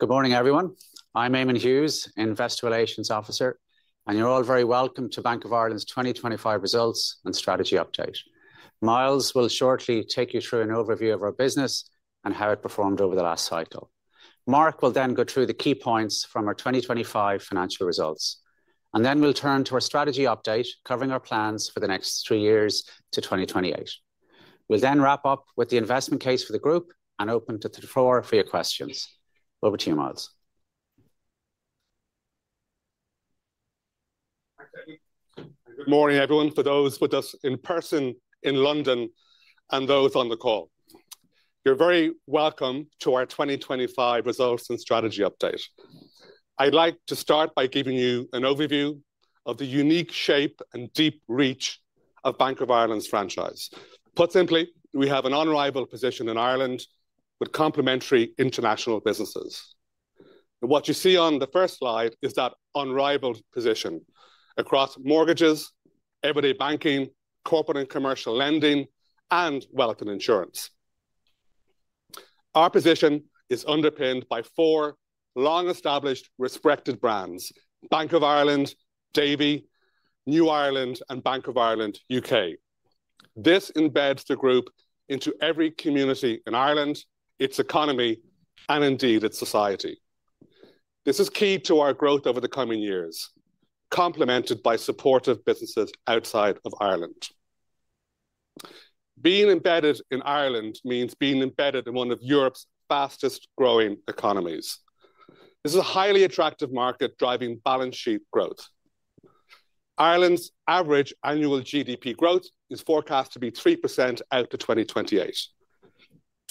Good morning, everyone. I'm Eamonn Hughes, Investor Relations Officer, and you're all very welcome to Bank of Ireland's 2025 Results and Strategy Update. Myles will shortly take you through an overview of our business and how it performed over the last cycle. Mark will then go through the key points from our 2025 financial results, and then we'll turn to our strategy update, covering our plans for the next three years to 2028. We'll wrap up with the investment case for the group and open to the floor for your questions. Over to you, Myles. Good morning, everyone. For those with us in person in London and those on the call. You're very welcome to our 2025 results and strategy update. I'd like to start by giving you an overview of the unique shape and deep reach of Bank of Ireland's franchise. Put simply, we have an unrivaled position in Ireland with complementary international businesses. What you see on the first slide is that unrivaled position across mortgages, everyday banking, corporate and commercial lending, and Wealth and Insurance. Our position is underpinned by four long-established, respected brands, Bank of Ireland, Davy, New Ireland, and Bank of Ireland U.K.. This embeds the group into every community in Ireland, its economy, and indeed, its society. This is key to our growth over the coming years, complemented by supportive businesses outside of Ireland. Being embedded in Ireland means being embedded in one of Europe's fastest-growing economies. This is a highly attractive market driving balance sheet growth. Ireland's average annual GDP growth is forecast to be 3% out to 2028.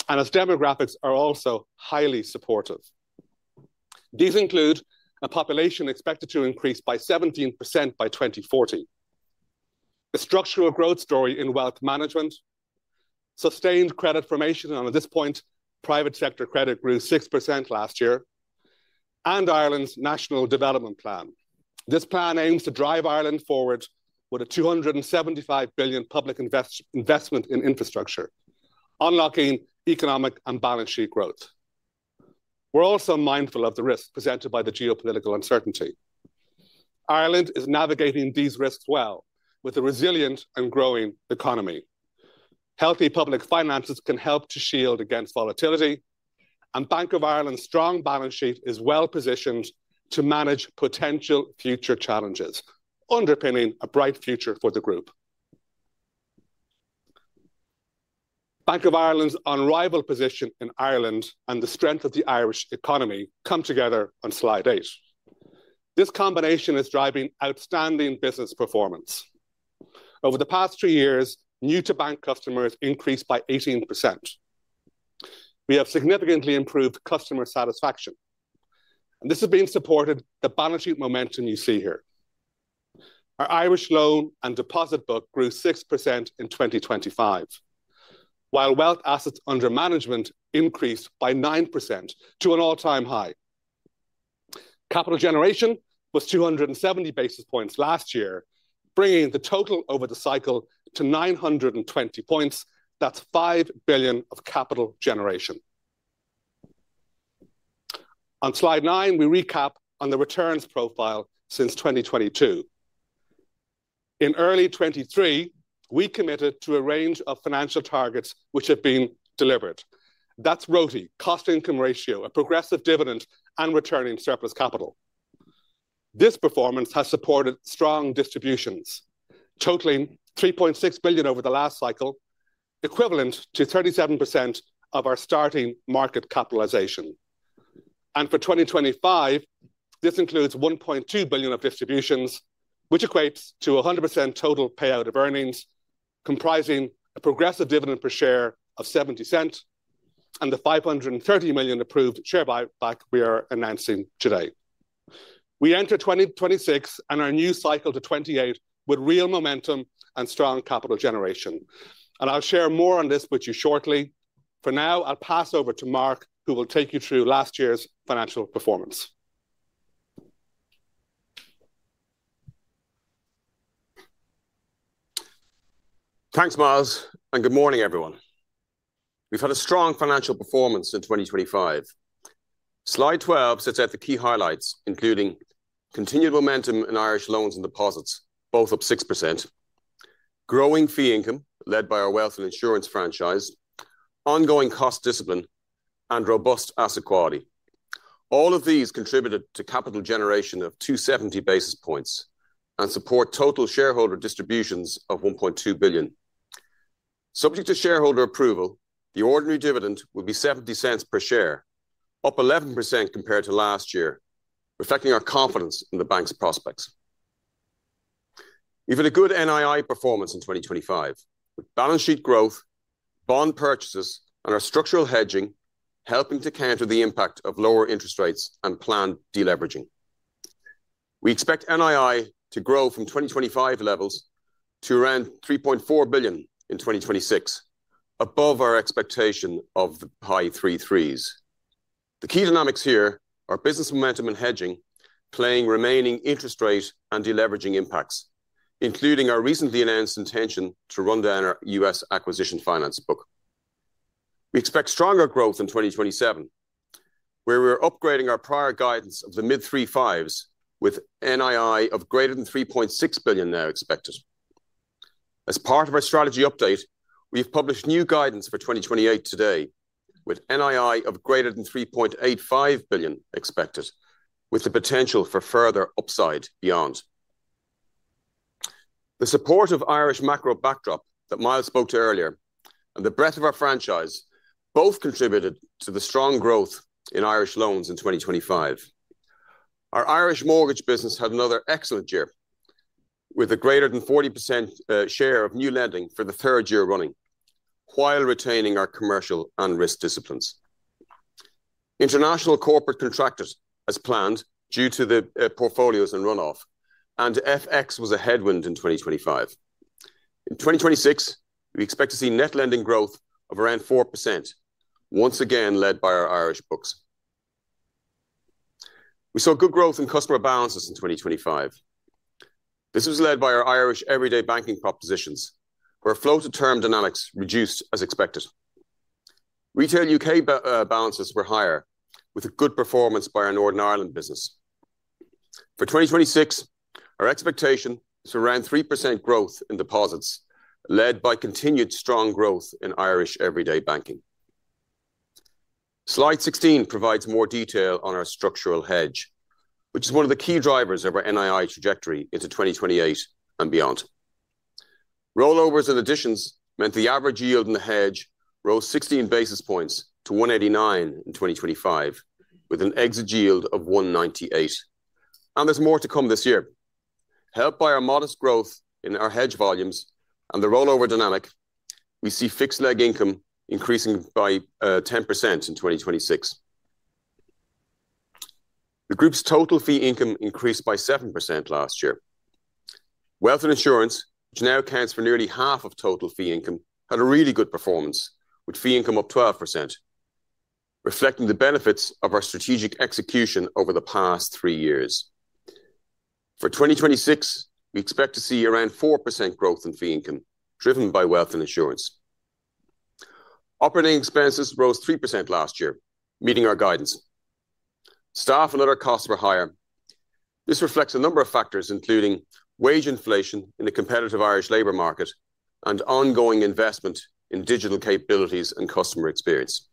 Its demographics are also highly supportive. These include a population expected to increase by 17% by 2040, a structural growth story in wealth management, sustained credit formation, and at this point, private sector credit grew 6% last year, and Ireland's National Development Plan. This plan aims to drive Ireland forward with a 275 billion public investment in infrastructure, unlocking economic and balance sheet growth. We're also mindful of the risks presented by the geopolitical uncertainty. Ireland is navigating these risks well with a resilient and growing economy. Healthy public finances can help to shield against volatility, and Bank of Ireland's strong balance sheet is well-positioned to manage potential future challenges, underpinning a bright future for the group. Bank of Ireland's unrivaled position in Ireland and the strength of the Irish economy come together on slide 8. This combination is driving outstanding business performance. Over the past 3 years, new to bank customers increased by 18%. This has been supported the balance sheet momentum you see here. Our Irish loan and deposit book grew 6% in 2025, while wealth assets under management increased by 9% to an all-time high. Capital generation was 270 basis points last year, bringing the total over the cycle to 920 points. That's 5 billion of capital generation. On slide 9, we recap on the returns profile since 2022. In early 2023, we committed to a range of financial targets which have been delivered. That's ROTE, cost income ratio, a progressive dividend, and returning surplus capital. This performance has supported strong distributions, totaling 3.6 billion over the last cycle, equivalent to 37% of our starting market capitalization. For 2025, this includes 1.2 billion of distributions, which equates to 100% total payout of earnings, comprising a progressive dividend per share of 0.70 and the 530 million approved share buy-back we are announcing today. We enter 2026 and our new cycle to 2028 with real momentum and strong capital generation. I'll share more on this with you shortly. For now, I'll pass over to Mark, who will take you through last year's financial performance. Thanks, Myles. Good morning, everyone. We've had a strong financial performance in 2025. Slide 12 sets out the key highlights, including continued momentum in Irish loans and deposits, both up 6%, growing fee income led by our Wealth and Insurance franchise, ongoing cost discipline, and robust asset quality. All of these contributed to capital generation of 270 basis points and support total shareholder distributions of 1.2 billion. Subject to shareholder approval, the ordinary dividend will be 0.70 per share, up 11% compared to last year, reflecting our confidence in the bank's prospects. We've had a good NII performance in 2025, with balance sheet growth, bond purchases, and our structural hedging helping to counter the impact of lower interest rates and planned de-leveraging. We expect NII to grow from 2025 levels to around 3.4 billion in 2026, above our expectation of the high three threes. The key dynamics here are business momentum and hedging playing remaining interest rate and de-leveraging impacts. Including our recently announced intention to run down our US acquisition finance book. We expect stronger growth in 2027, where we're upgrading our prior guidance of the mid three fives with NII of greater than 3.6 billion now expected. As part of our strategy update, we've published new guidance for 2028 today, with NII of greater than 3.85 billion expected, with the potential for further upside beyond. The support of Irish macro backdrop that Myles spoke to earlier and the breadth of our franchise both contributed to the strong growth in Irish loans in 2025. Our Irish mortgage business had another excellent year, with a greater than 40% share of new lending for the third year running, while retaining our commercial and risk disciplines. International corporate contractors as planned due to the portfolios and runoff, FX was a headwind in 2025. In 2026, we expect to see net lending growth of around 4%, once again led by our Irish books. We saw good growth in customer balances in 2025. This was led by our Irish everyday banking propositions, where flow to term dynamics reduced as expected. Retail U.K. balances were higher, with a good performance by our Northern Ireland business. For 2026, our expectation is around 3% growth in deposits, led by continued strong growth in Irish everyday banking. Slide 16 provides more detail on our structural hedge, which is one of the key drivers of our NII trajectory into 2028 and beyond. Rollovers and additions meant the average yield in the hedge rose 16 basis points to 1.89% in 2025, with an exit yield of 1.98%. There's more to come this year. Helped by our modest growth in our hedge volumes and the rollover dynamic, we see fixed leg income increasing by 10% in 2026. The group's total fee income increased by 7% last year. Wealth and Insurance, which now accounts for nearly half of total fee income, had a really good performance, with fee income up 12%, reflecting the benefits of our strategic execution over the past 3 years. For 2026, we expect to see around 4% growth in fee income, driven by Wealth and Insurance. Operating expenses rose 3% last year, meeting our guidance. Staff and other costs were higher. This reflects a number of factors, including wage inflation in the competitive Irish labor market and ongoing investment in digital capabilities and customer experience.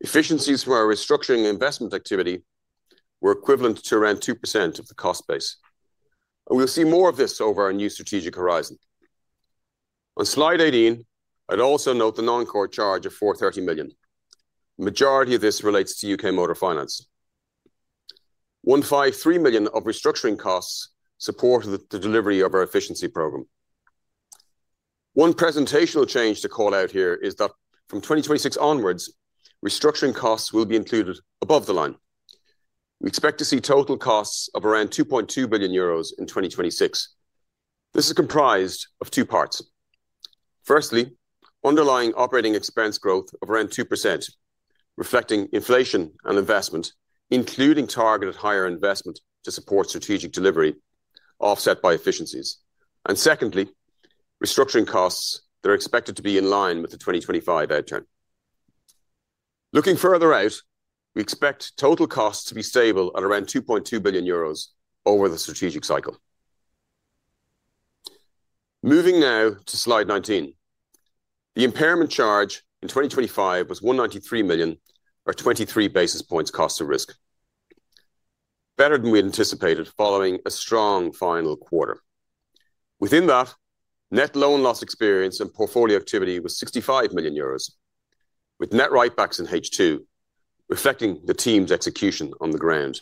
Efficiencies from our restructuring investment activity were equivalent to around 2% of the cost base. We'll see more of this over our new strategic horizon. On slide 18, I'd also note the non-core charge of 430 million. Majority of this relates to U.K. motor finance. 153 million of restructuring costs supported the delivery of our efficiency program. One presentational change to call out here is that from 2026 onwards, restructuring costs will be included above the line. We expect to see total costs of around 2.2 billion euros in 2026. This is comprised of two parts. Firstly, underlying operating expense growth of around 2%, reflecting inflation and investment, including targeted higher investment to support strategic delivery offset by efficiencies. Secondly, restructuring costs that are expected to be in line with the 2025 outturn. Looking further out, we expect total costs to be stable at around 2.2 billion euros over the strategic cycle. Moving now to slide 19. The impairment charge in 2025 was 193 million or 23 basis points cost to risk. Better than we anticipated following a strong final quarter. Within that, net loan loss experience and portfolio activity was 65 million euros, with net write-backs in H2 reflecting the team's execution on the ground.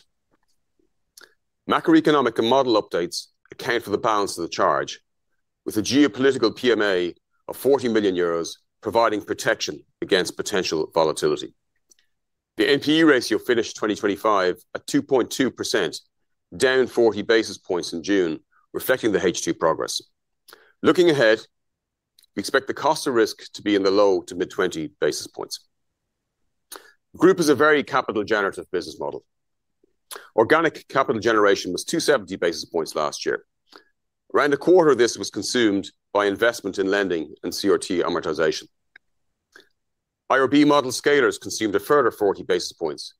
Macroeconomic and model updates account for the balance of the charge, with a geopolitical PMA of 40 million euros providing protection against potential volatility. The NPE ratio finished 2025 at 2.2%, down 40 basis points in June, reflecting the H2 progress. Looking ahead, we expect the cost of risk to be in the low to mid 20 basis points. Group is a very capital generative business model. Organic capital generation was 270 basis points last year. Around a quarter of this was consumed by investment in lending and CRT amortization. IRB model scalers consumed a further 40 basis points,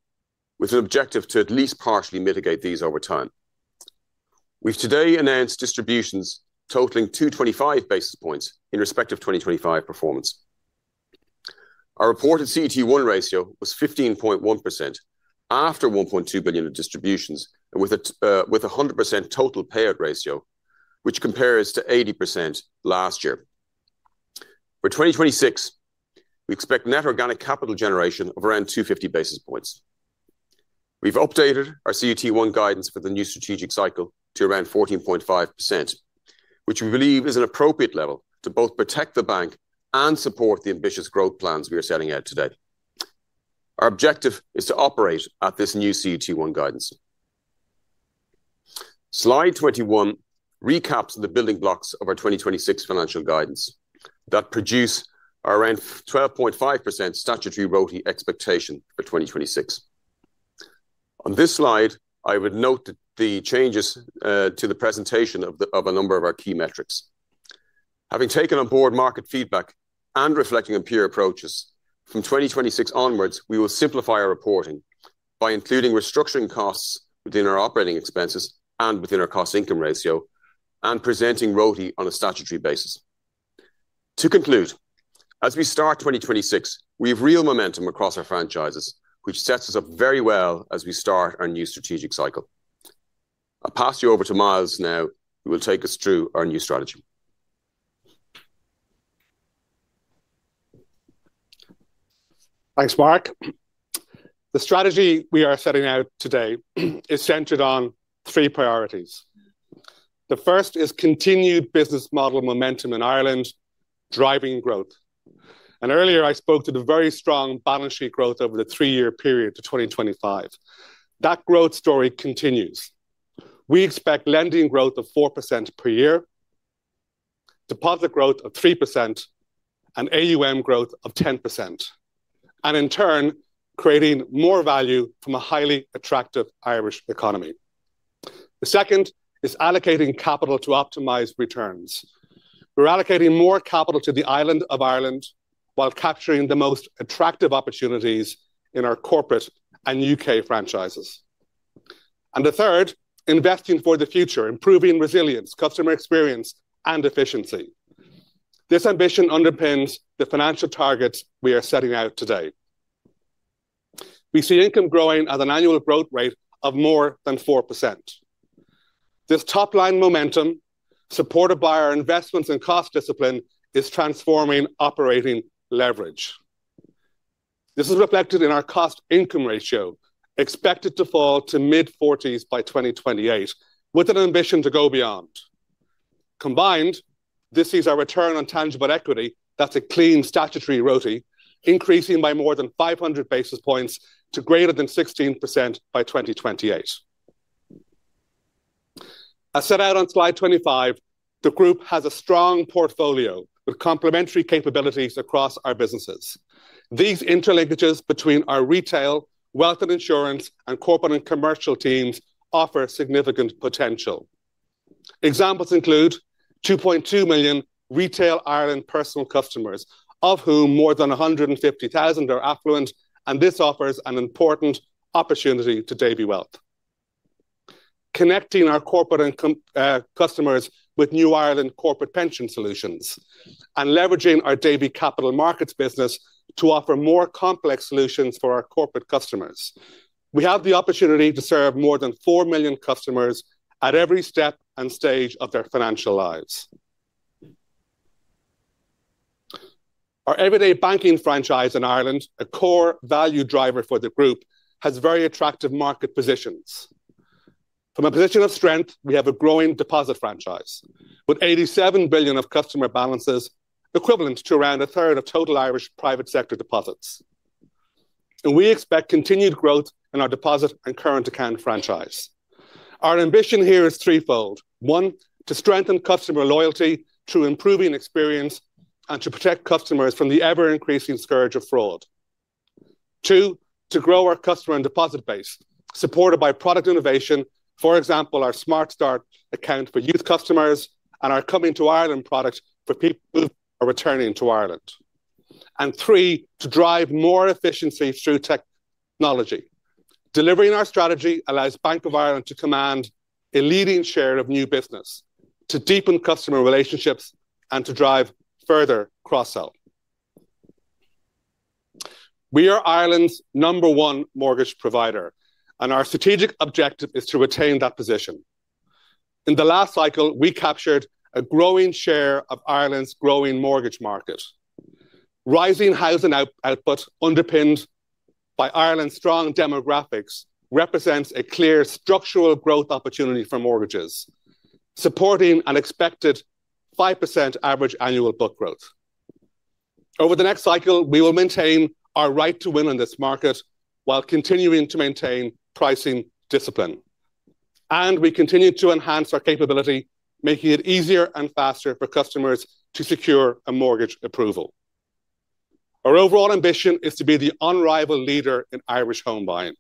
with an objective to at least partially mitigate these over time. We've today announced distributions totaling 225 basis points in respect of 2025 performance. Our reported CET1 ratio was 15.1% after 1.2 billion of distributions and with a 100% total payout ratio, which compares to 80% last year. For 2026, we expect net organic capital generation of around 250 basis points. We've updated our CET1 guidance for the new strategic cycle to around 14.5%, which we believe is an appropriate level to both protect the bank and support the ambitious growth plans we are setting out today. Our objective is to operate at this new CET1 guidance. Slide 21 recaps the building blocks of our 2026 financial guidance that produce our around 12.5% statutory ROTY expectation for 2026. On this slide, I would note that the changes to the presentation of a number of our key metrics. Having taken on board market feedback and reflecting on peer approaches, from 2026 onwards, we will simplify our reporting by including restructuring costs within our operating expenses and within our cost-income ratio and presenting ROTE on a statutory basis. To conclude, as we start 2026, we have real momentum across our franchises, which sets us up very well as we start our new strategic cycle. I'll pass you over to Myles now, who will take us through our new strategy. Thanks, Mark. The strategy we are setting out today is centered on three priorities. The first is continued business model momentum in Ireland driving growth. Earlier, I spoke to the very strong balance sheet growth over the 3-year period to 2025. That growth story continues. We expect lending growth of 4% per year, deposit growth of 3%, and AUM growth of 10%, and in turn, creating more value from a highly attractive Irish economy. The second is allocating capital to optimize returns. We're allocating more capital to the island of Ireland while capturing the most attractive opportunities in our corporate and U.K. franchises. The third, investing for the future, improving resilience, customer experience, and efficiency. This ambition underpins the financial targets we are setting out today. We see income growing at an annual growth rate of more than 4%. This top-line momentum, supported by our investments in cost discipline, is transforming operating leverage. This is reflected in our cost-income ratio, expected to fall to mid-40s by 2028, with an ambition to go beyond. Combined, this sees our return on tangible equity, that's a clean statutory ROTE, increasing by more than 500 basis points to greater than 16% by 2028. As set out on slide 25, the group has a strong portfolio with complementary capabilities across our businesses. These interlinkages between our retail, Wealth and Insurance, and corporate and commercial teams offer significant potential. Examples include 2.2 million retail Ireland personal customers, of whom more than 150,000 are affluent, and this offers an important opportunity to Davy Wealth. Connecting our corporate customers with New Ireland corporate pension solutions, leveraging our Davy Capital Markets business to offer more complex solutions for our corporate customers. We have the opportunity to serve more than 4 million customers at every step and stage of their financial lives. Our everyday banking franchise in Ireland, a core value driver for the group, has very attractive market positions. From a position of strength, we have a growing deposit franchise, with 87 billion of customer balances, equivalent to around a third of total Irish private sector deposits. We expect continued growth in our deposit and current account franchise. Our ambition here is threefold. One, to strengthen customer loyalty through improving experience and to protect customers from the ever-increasing scourge of fraud. Two, to grow our customer and deposit base, supported by product innovation, for example, our SmartStart account for youth customers and our Coming2Ireland product for people who are returning to Ireland. Three, to drive more efficiency through technology. Delivering our strategy allows Bank of Ireland to command a leading share of new business, to deepen customer relationships, and to drive further cross-sell. We are Ireland's number one mortgage provider, and our strategic objective is to retain that position. In the last cycle, we captured a growing share of Ireland's growing mortgage market. Rising housing output, underpinned by Ireland's strong demographics, represents a clear structural growth opportunity for mortgages, supporting an expected 5% average annual book growth. Over the next cycle, we will maintain our right to win in this market while continuing to maintain pricing discipline. We continue to enhance our capability, making it easier and faster for customers to secure a mortgage approval. Our overall ambition is to be the unrivaled leader in Irish home buying.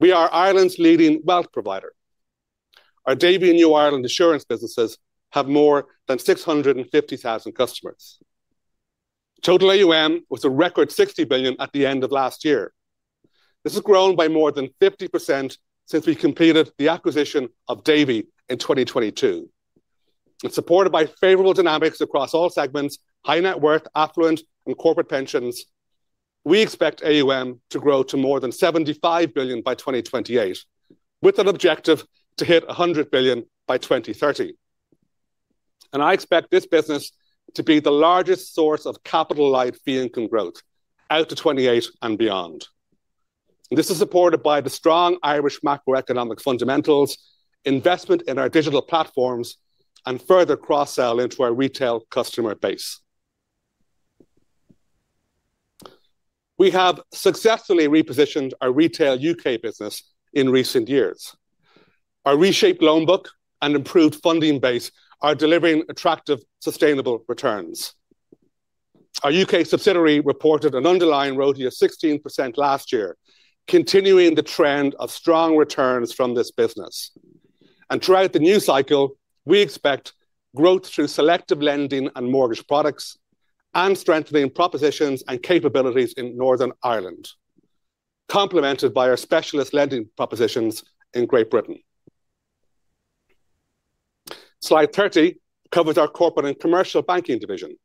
We are Ireland's leading wealth provider. Our Davy and New Ireland Assurance businesses have more than 650,000 customers. Total AUM was a record 60 billion at the end of last year. This has grown by more than 50% since we completed the acquisition of Davy in 2022. It's supported by favorable dynamics across all segments, high net worth, affluent, and corporate pensions. We expect AUM to grow to more than 75 billion by 2028, with an objective to hit 100 billion by 2030. I expect this business to be the largest source of capital light fee income growth out to 2028 and beyond. This is supported by the strong Irish macroeconomic fundamentals, investment in our digital platforms, and further cross-sell into our retail customer base. We have successfully repositioned our retail U.K. business in recent years. Our reshaped loan book and improved funding base are delivering attractive, sustainable returns. Our U.K. subsidiary reported an underlying ROAE of 16% last year, continuing the trend of strong returns from this business. Throughout the new cycle, we expect growth through selective lending and mortgage products and strengthening propositions and capabilities in Northern Ireland, complemented by our specialist lending propositions in Great Britain. Slide 30 covers our corporate and commercial banking division.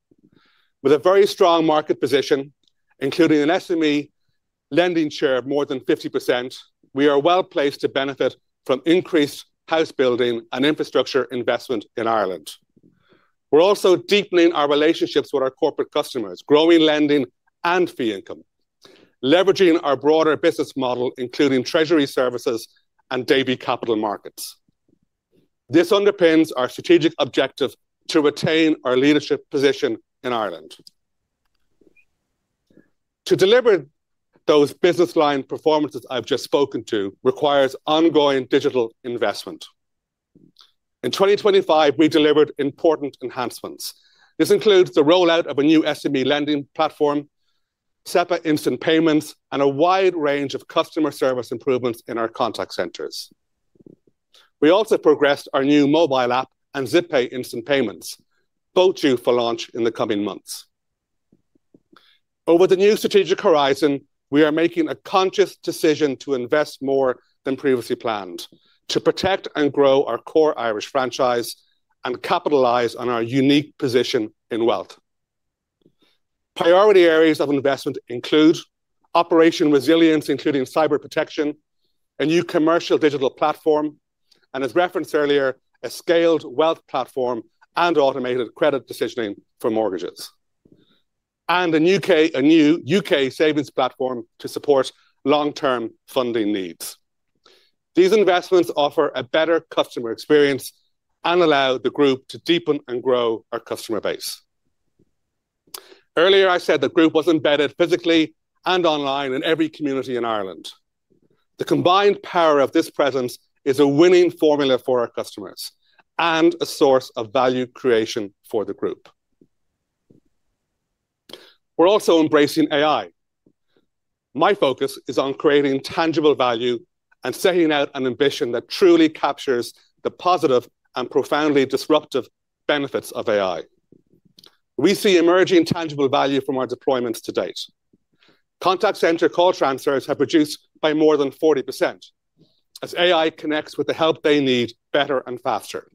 With a very strong market position, including an SME lending share of more than 50%, we are well-placed to benefit from increased house building and infrastructure investment in Ireland. We're also deepening our relationships with our corporate customers, growing lending and fee income, leveraging our broader business model, including treasury services and Davy Capital Markets. This underpins our strategic objective to retain our leadership position in Ireland. To deliver those business line performances I've just spoken to requires ongoing digital investment. In 2025, we delivered important enhancements. This includes the rollout of a new SME lending platform, SEPA instant payments, and a wide range of customer service improvements in our contact centers. We also progressed our new mobile app and Zippay instant payments, both due for launch in the coming months. With the new strategic horizon, we are making a conscious decision to invest more than previously planned to protect and grow our core Irish franchise and capitalize on our unique position in wealth. Priority areas of investment include operation resilience, including cyber protection, a new commercial digital platform, and as referenced earlier, a scaled wealth platform and automated credit decisioning for mortgages, and a new U.K. savings platform to support long-term funding needs. These investments offer a better customer experience and allow the group to deepen and grow our customer base. Earlier, I said the group was embedded physically and online in every community in Ireland. The combined power of this presence is a winning formula for our customers and a source of value creation for the group. We're also embracing AI. My focus is on creating tangible value and setting out an ambition that truly captures the positive and profoundly disruptive benefits of AI. We see emerging tangible value from our deployments to date. Contact center call transfers have reduced by more than 40% as AI connects with the help they need better and faster.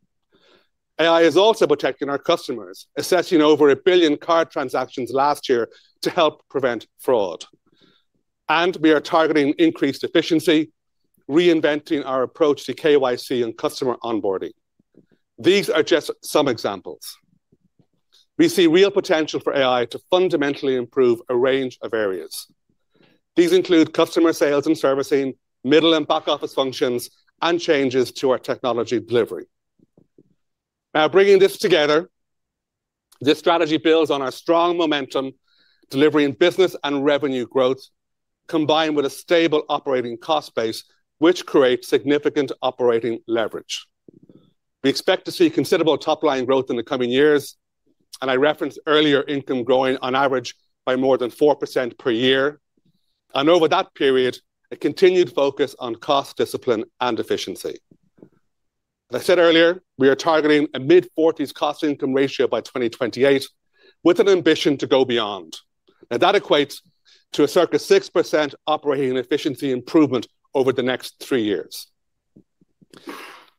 AI is also protecting our customers, assessing over 1 billion card transactions last year to help prevent fraud. We are targeting increased efficiency, reinventing our approach to KYC and customer onboarding. These are just some examples. We see real potential for AI to fundamentally improve a range of areas. These include customer sales and servicing, middle and back-office functions, and changes to our technology delivery. Bringing this together, this strategy builds on our strong momentum, delivering business and revenue growth, combined with a stable operating cost base, which creates significant operating leverage. We expect to see considerable top-line growth in the coming years, and I referenced earlier income growing on average by more than 4% per year. Over that period, a continued focus on cost discipline and efficiency. As I said earlier, we are targeting a mid-40s cost-income ratio by 2028, with an ambition to go beyond. Now, that equates to a circa 6% operating efficiency improvement over the next 3 years.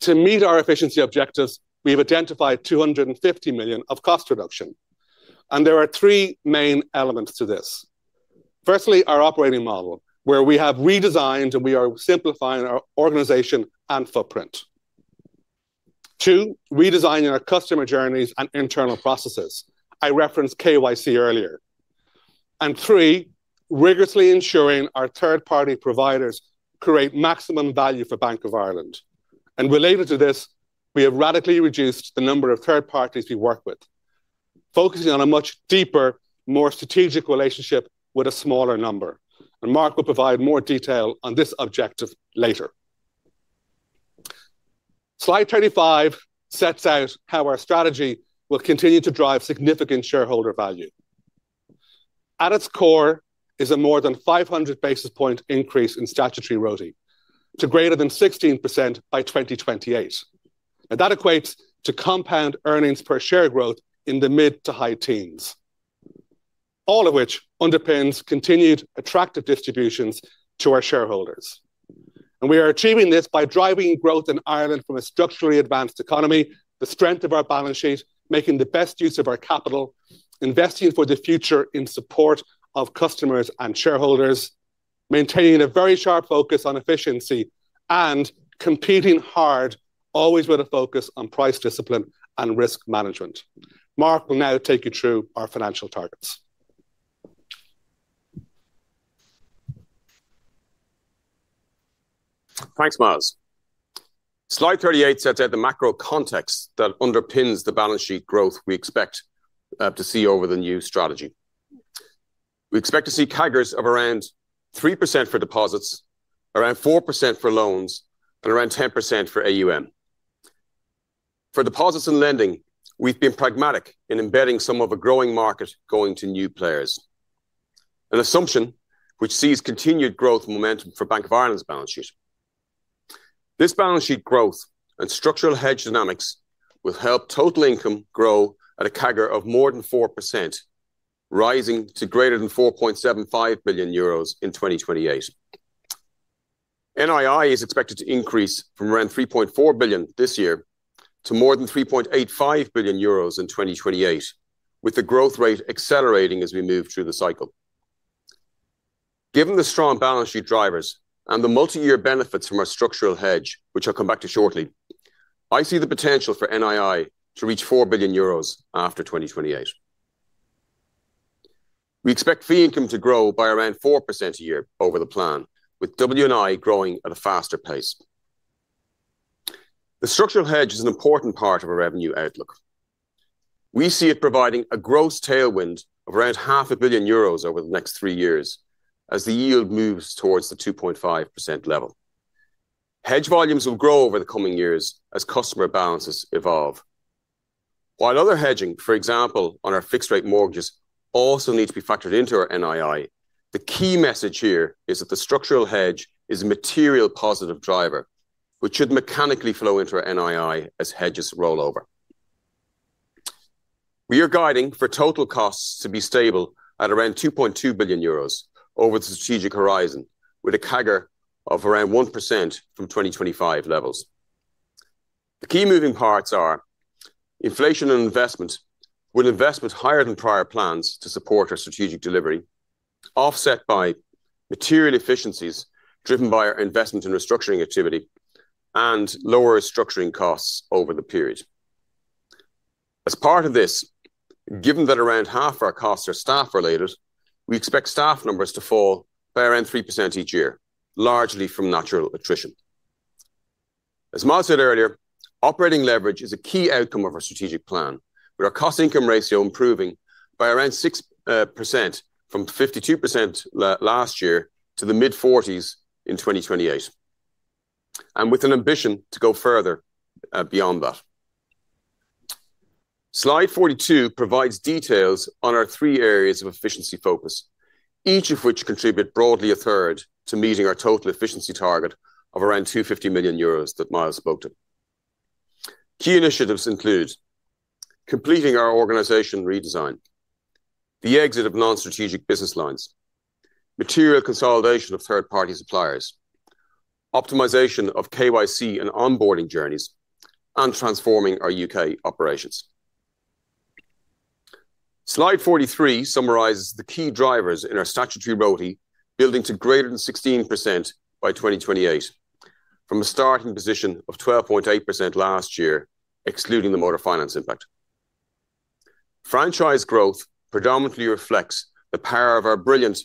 To meet our efficiency objectives, we have identified 250 million of cost reduction, and there are three main elements to this. One. Firstly, our operating model, where we have redesigned, and we are simplifying our organization and footprint. Two, redesigning our customer journeys and internal processes. I referenced KYC earlier. Three, rigorously ensuring our third-party providers create maximum value for Bank of Ireland. Related to this, we have radically reduced the number of third parties we work with, focusing on a much deeper, more strategic relationship with a smaller number. Mark will provide more detail on this objective later. Slide 35 sets out how our strategy will continue to drive significant shareholder value. At its core is a more than 500 basis point increase in statutory ROAE to greater than 16% by 2028. That equates to compound earnings per share growth in the mid to high teens, all of which underpins continued attractive distributions to our shareholders. We are achieving this by driving growth in Ireland from a structurally advanced economy, the strength of our balance sheet, making the best use of our capital, investing for the future in support of customers and shareholders, maintaining a very sharp focus on efficiency and competing hard, always with a focus on price discipline and risk management. Mark will now take you through our financial targets. Thanks, Myles. Slide 38 sets out the macro context that underpins the balance sheet growth we expect to see over the new strategy. We expect to see CAGRs of around 3% for deposits, around 4% for loans, and around 10% for AUM. For deposits and lending, we've been pragmatic in embedding some of a growing market going to new players, an assumption which sees continued growth momentum for Bank of Ireland's balance sheet. This balance sheet growth and structural hedge dynamics will help total income grow at a CAGR of more than 4%, rising to greater than 4.75 billion euros in 2028. NII is expected to increase from around 3.4 billion this year to more than 3.85 billion euros in 2028, with the growth rate accelerating as we move through the cycle. Given the strong balance sheet drivers and the multi-year benefits from our structural hedge, which I'll come back to shortly, I see the potential for NII to reach 4 billion euros after 2028. We expect fee income to grow by around 4% a year over the plan, with WNI growing at a faster pace. The structural hedge is an important part of our revenue outlook. We see it providing a gross tailwind of around half a billion euros over the next three years as the yield moves towards the 2.5% level. Hedge volumes will grow over the coming years as customer balances evolve. While other hedging, for example, on our fixed rate mortgages also need to be factored into our NII, the key message here is that the structural hedge is a material positive driver, which should mechanically flow into our NII as hedges roll over. We are guiding for total costs to be stable at around 2.2 billion euros over the strategic horizon, with a CAGR of around 1% from 2025 levels. The key moving parts are inflation and investment, with investment higher than prior plans to support our strategic delivery, offset by material efficiencies driven by our investment in restructuring activity and lower restructuring costs over the period. As part of this, given that around half our costs are staff-related, we expect staff numbers to fall by around 3% each year, largely from natural attrition. As Myles said earlier, operating leverage is a key outcome of our strategic plan, with our cost income ratio improving by around 6% from 52% last year to the mid-40s in 2028, with an ambition to go further beyond that. Slide 42 provides details on our three areas of efficiency focus, each of which contribute broadly a third to meeting our total efficiency target of around 250 million euros that Myles spoke to. Key initiatives include completing our organization redesign, the exit of non-strategic business lines, material consolidation of third-party suppliers, optimization of KYC and onboarding journeys, and transforming our U.K. operations. Slide 43 summarizes the key drivers in our statutory ROAE building to greater than 16% by 2028 from a starting position of 12.8% last year, excluding the Motor Finance impact. Franchise growth predominantly reflects the power of our brilliant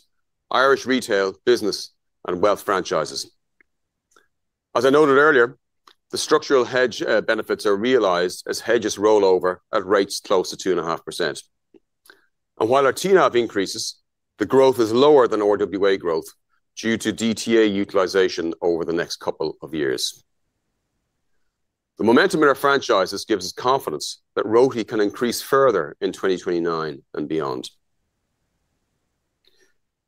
Irish retail business and wealth franchises. As I noted earlier, the structural hedge benefits are realized as hedges roll over at rates close to 2.5%. While our TNAV increases, the growth is lower than RWA growth due to DTA utilization over the next couple of years. The momentum in our franchises gives us confidence that ROAE can increase further in 2029 and beyond.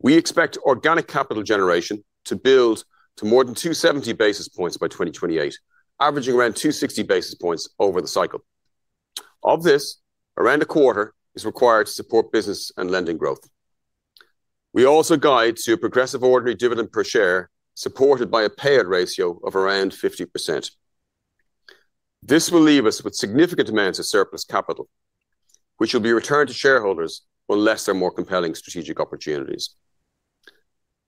We expect organic capital generation to build to more than 270 basis points by 2028, averaging around 260 basis points over the cycle. Of this, around a quarter is required to support business and lending growth. We also guide to a progressive ordinary dividend per share, supported by a payout ratio of around 50%. This will leave us with significant amounts of surplus capital, which will be returned to shareholders unless there are more compelling strategic opportunities.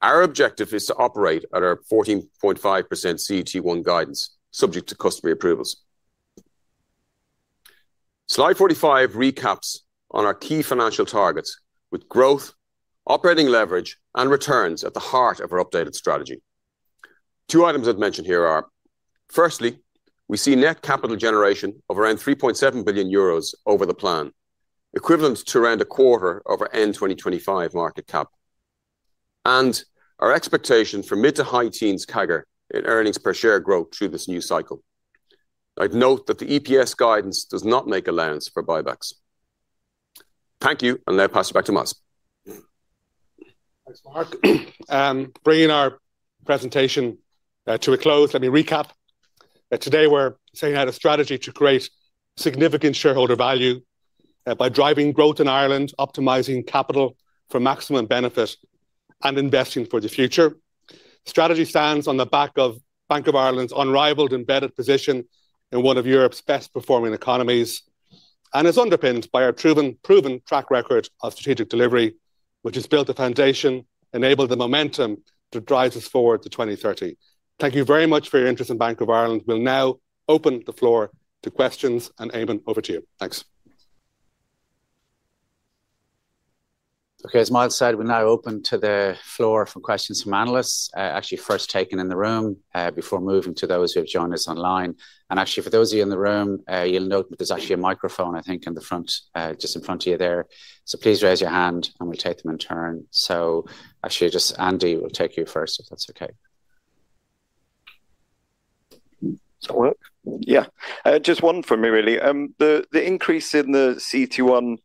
Our objective is to operate at our 14.5% CET1 guidance subject to customer approvals. Slide 45 recaps on our key financial targets with growth, operating leverage, and returns at the heart of our updated strategy. Two items I've mentioned here are, firstly, we see net capital generation of around 3.7 billion euros over the plan, equivalent to around a quarter of our end 2025 market cap, and our expectation for mid to high teens CAGR in earnings per share growth through this new cycle. I'd note that the EPS guidance does not make allowance for buybacks. Thank you, I'll now pass it back to Myles. Thanks, Mark. bringing our presentation to a close, let me recap. Today we're setting out a strategy to create significant shareholder value, by driving growth in Ireland, optimizing capital for maximum benefit, and investing for the future. Strategy stands on the back of Bank of Ireland's unrivaled embedded position in one of Europe's best performing economies and is underpinned by our proven track record of strategic delivery, which has built the foundation, enabled the momentum that drives us forward to 2030. Thank you very much for your interest in Bank of Ireland. We'll now open the floor to questions, Eamonn, over to you. Thanks. Okay. As Myles said, we'll now open to the floor for questions from analysts, actually first taken in the room before moving to those who have joined us online. Actually, for those of you in the room, you'll note that there's actually a microphone, I think, in the front, just in front of you there. Please raise your hand, and we'll take them in turn. Actually just Andy, we'll take you first, if that's okay. Just one from me really. The increase in the CET1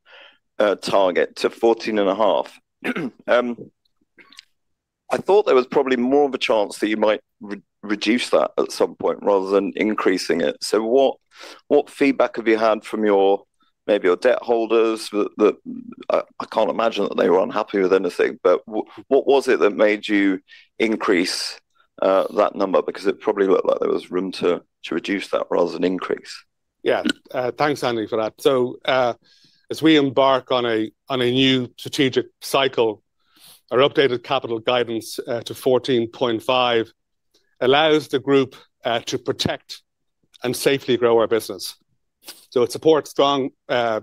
target to 14.5. I thought there was probably more of a chance that you might re-reduce that at some point rather than increasing it. What, what feedback have you had from your, maybe your debt holders that, I can't imagine that they were unhappy with anything, but what was it that made you increase that number? Because it probably looked like there was room to reduce that rather than increase? Thanks, Andy, for that. As we embark on a new strategic cycle, our updated capital guidance to 14.5 allows the group to protect and safely grow our business. It supports strong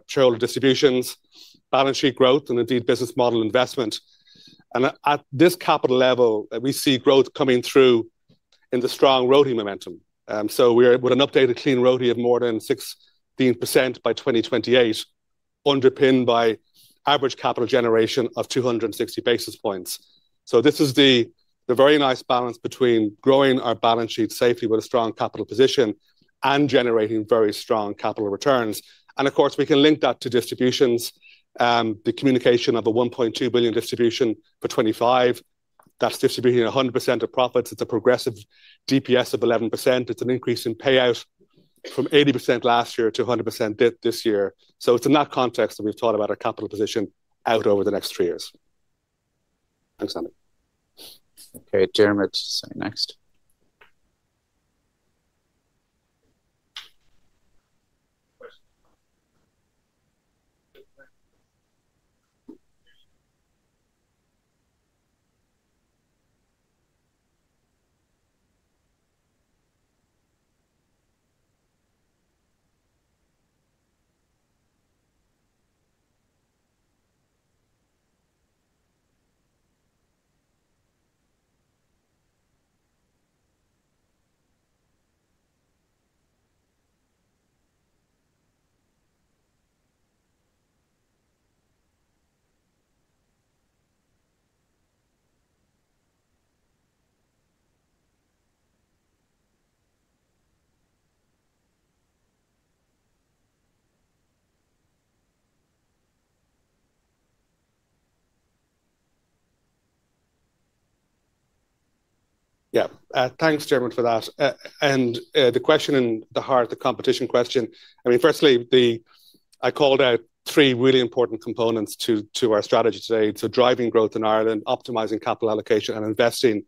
shareholder distributions, balance sheet growth, and indeed business model investment. At this capital level, we see growth coming through in the strong ROTE momentum. We're with an updated clean ROTE of more than 16% by 2028 underpinned by average capital generation of 260 basis points. This is the very nice balance between growing our balance sheet safely with a strong capital position and generating very strong capital returns. Of course, we can link that to distributions. The communication of a 1.2 billion distribution for 2025, that's distributing 100% of profits. It's a progressive DPS of 11%. It's an increase in payout from 80% last year to 100% this year. It's in that context that we've thought about our capital position out over the next three years. Thanks, Andy. Okay, Dermot's next. Thanks, Dermot for that. The question in the heart, the competition question, I mean, firstly, I called out three really important components to our strategy today. Driving growth in Ireland, optimizing capital allocation and investing.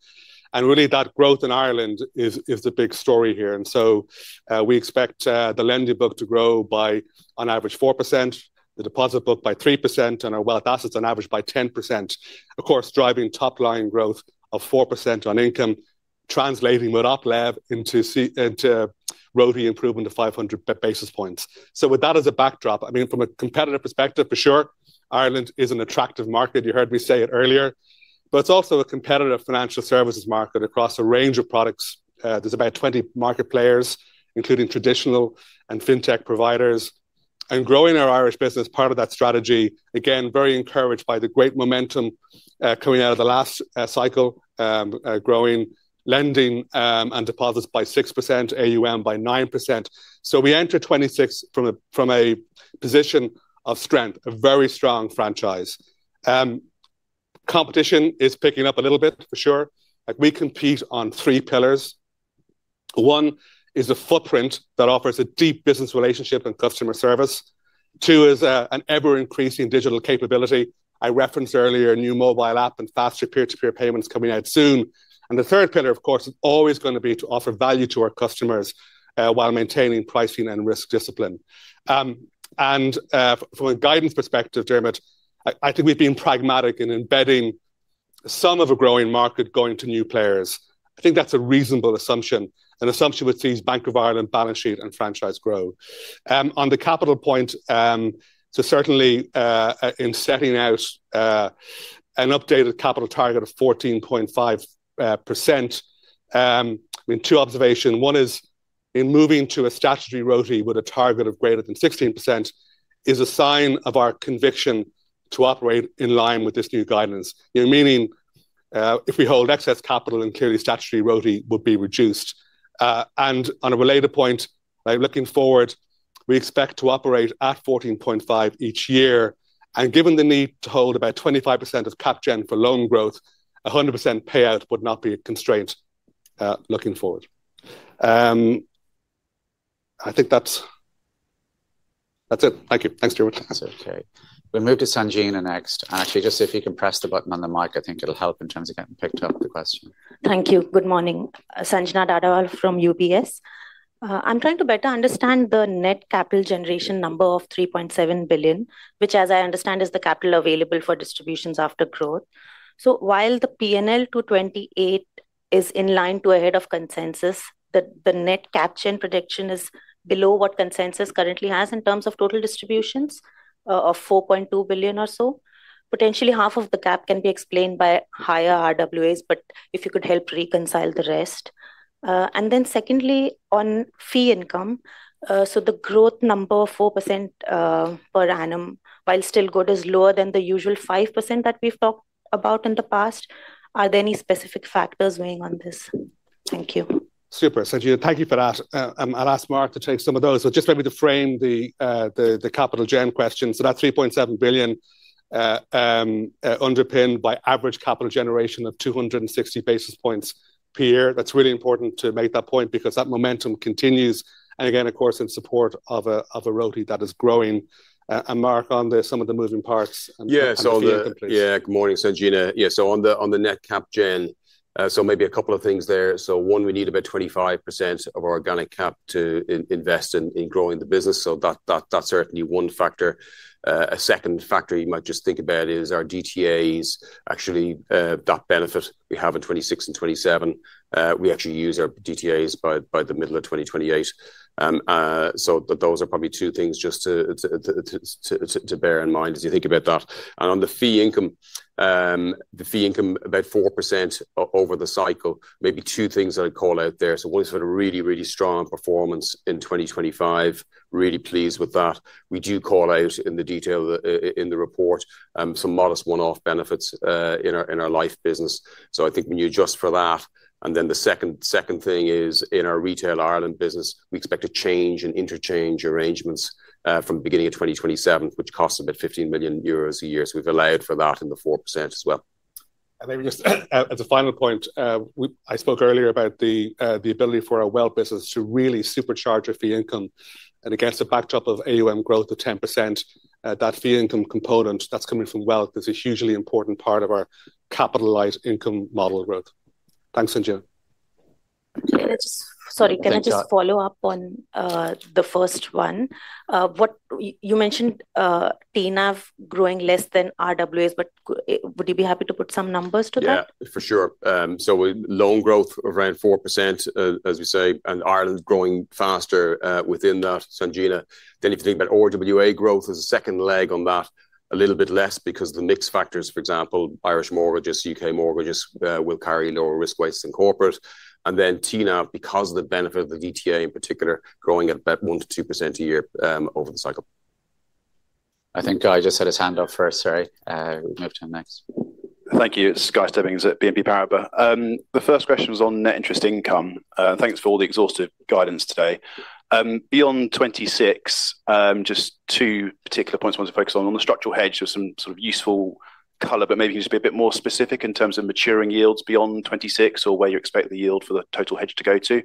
Really that growth in Ireland is the big story here. We expect the lending book to grow by on average 4%, the deposit book by 3%, and our wealth assets on average by 10%. Of course, driving top line growth of 4% on income, translating with operating leverage into ROTE improvement of 500 basis points. With that as a backdrop, I mean, from a competitive perspective, for sure, Ireland is an attractive market. You heard me say it earlier, but it's also a competitive financial services market across a range of products. There's about 20 market players, including traditional and fintech providers. Growing our Irish business, part of that strategy, again, very encouraged by the great momentum coming out of the last cycle, growing lending and deposits by 6%, AUM by 9%. We enter 2026 from a position of strength, a very strong franchise. Competition is picking up a little bit for sure. Like, we compete on 3 pillars. 1 is the footprint that offers a deep business relationship and customer service. 2 is an ever-increasing digital capability. I referenced earlier a new mobile app and faster peer-to-peer payments coming out soon. The third pillar, of course, is always gonna be to offer value to our customers while maintaining pricing and risk discipline. From a guidance perspective, Dermot, I think we've been pragmatic in embedding some of a growing market going to new players. I think that's a reasonable assumption, an assumption which sees Bank of Ireland balance sheet and franchise grow. On the capital point, certainly in setting out an updated capital target of 14.5%, I mean, two observation. One is in moving to a statutory ROTE with a target of greater than 16% is a sign of our conviction to operate in line with this new guidance. You know, meaning if we hold excess capital and clearly statutory ROTE would be reduced. On a related point, by looking forward, we expect to operate at 14.5 each year. Given the need to hold about 25% of cap gen for loan growth, a 100% payout would not be a constraint, looking forward. I think that's it. Thank you. Thanks, Dermot. That's okay. We'll move to Sanjena next. Actually, just if you can press the button on the mic, I think it'll help in terms of getting picked up the question. Thank you. Good morning. Sanjena Dadawala from UBS. I'm trying to better understand the net capital generation number of 3.7 billion, which as I understand is the capital available for distributions after growth. While the P&L to 28 is in line to ahead of consensus, the net cap gen prediction is below what consensus currently has in terms of total distributions of 4.2 billion or so. Potentially half of the cap can be explained by higher RWAs, but if you could help reconcile the rest. Secondly, on fee income, the growth number of 4% per annum, while still good, is lower than the usual 5% that we've talked about in the past. Are there any specific factors weighing on this? Thank you. Super, Sanjena. Thank you for that. I'll ask Mark to take some of those. Just maybe to frame the, the capital gen question. That 3.7 billion, underpinned by average capital generation of 260 basis points per year. That's really important to make that point because that momentum continues, and again, of course, in support of a ROTE that is growing. Mark, some of the moving parts and. Good morning, Sanjena. On the net cap gen, maybe a couple of things there. One, we need about 25% of organic cap to invest in growing the business. That's certainly one factor. A second factor you might just think about is our DTAs. Actually, that benefit we have in 2026 and 2027, we actually use our DTAs by the middle of 2028. Those are probably two things just to bear in mind as you think about that. On the fee income, the fee income about 4% over the cycle. Maybe two things that I'd call out there. One is we had a really strong performance in 2025. Really pleased with that. We do call out in the detail in the report, some modest one-off benefits, in our life business. I think when you adjust for that. The second thing is in our retail Ireland business, we expect a change in interchange arrangements from the beginning of 2027, which costs about 15 million euros a year, so we've allowed for that in the 4% as well. Maybe just as a final point, I spoke earlier about the ability for our wealth business to really supercharge our fee income. Against a backdrop of AUM growth of 10%, that fee income component that's coming from wealth is a hugely important part of our capitalized income model growth. Thanks, Sanjena. Can I just follow up on the first one? You mentioned TNAV growing less than RWAs, but would you be happy to put some numbers to that? For sure. loan growth around 4%, as we say, Ireland growing faster within that, Sanjena. If you think about RWA growth as a second leg on that, a little bit less because the mix factors, for example, Irish mortgages, U.K. mortgages, will carry lower risk weights than corporate. TNAV, because of the benefit of the DTA in particular, growing at about 1%-2% a year over the cycle. I think Guy just had his hand up first. Sorry. We'll move to him next. Thank you. It's Guy Stebbings at BNP Paribas. The first question was on net interest income. Thanks for all the exhaustive guidance today. Beyond 2026, just two particular points I want to focus on. On the structural hedge, there was some sort of useful color, but maybe can you just be a bit more specific in terms of maturing yields beyond 2026 or where you expect the yield for the total hedge to go to?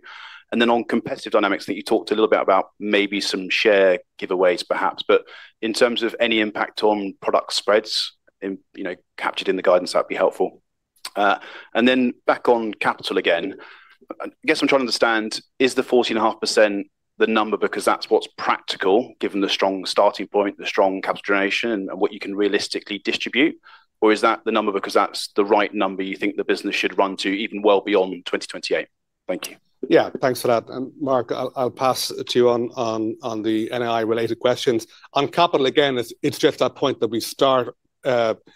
Then on competitive dynamics, I think you talked a little bit about maybe some share giveaways perhaps, but in terms of any impact on product spreads in, you know, captured in the guidance, that'd be helpful. Back on capital again, I guess I'm trying to understand, is the 14.5% the number because that's what's practical given the strong starting point, the strong capital generation and what you can realistically distribute, or is that the number because that's the right number you think the business should run to even well beyond 2028? Thank you. Thanks for that. Mark, I'll pass on the NII-related questions to you. On capital, again, it's just that point that we start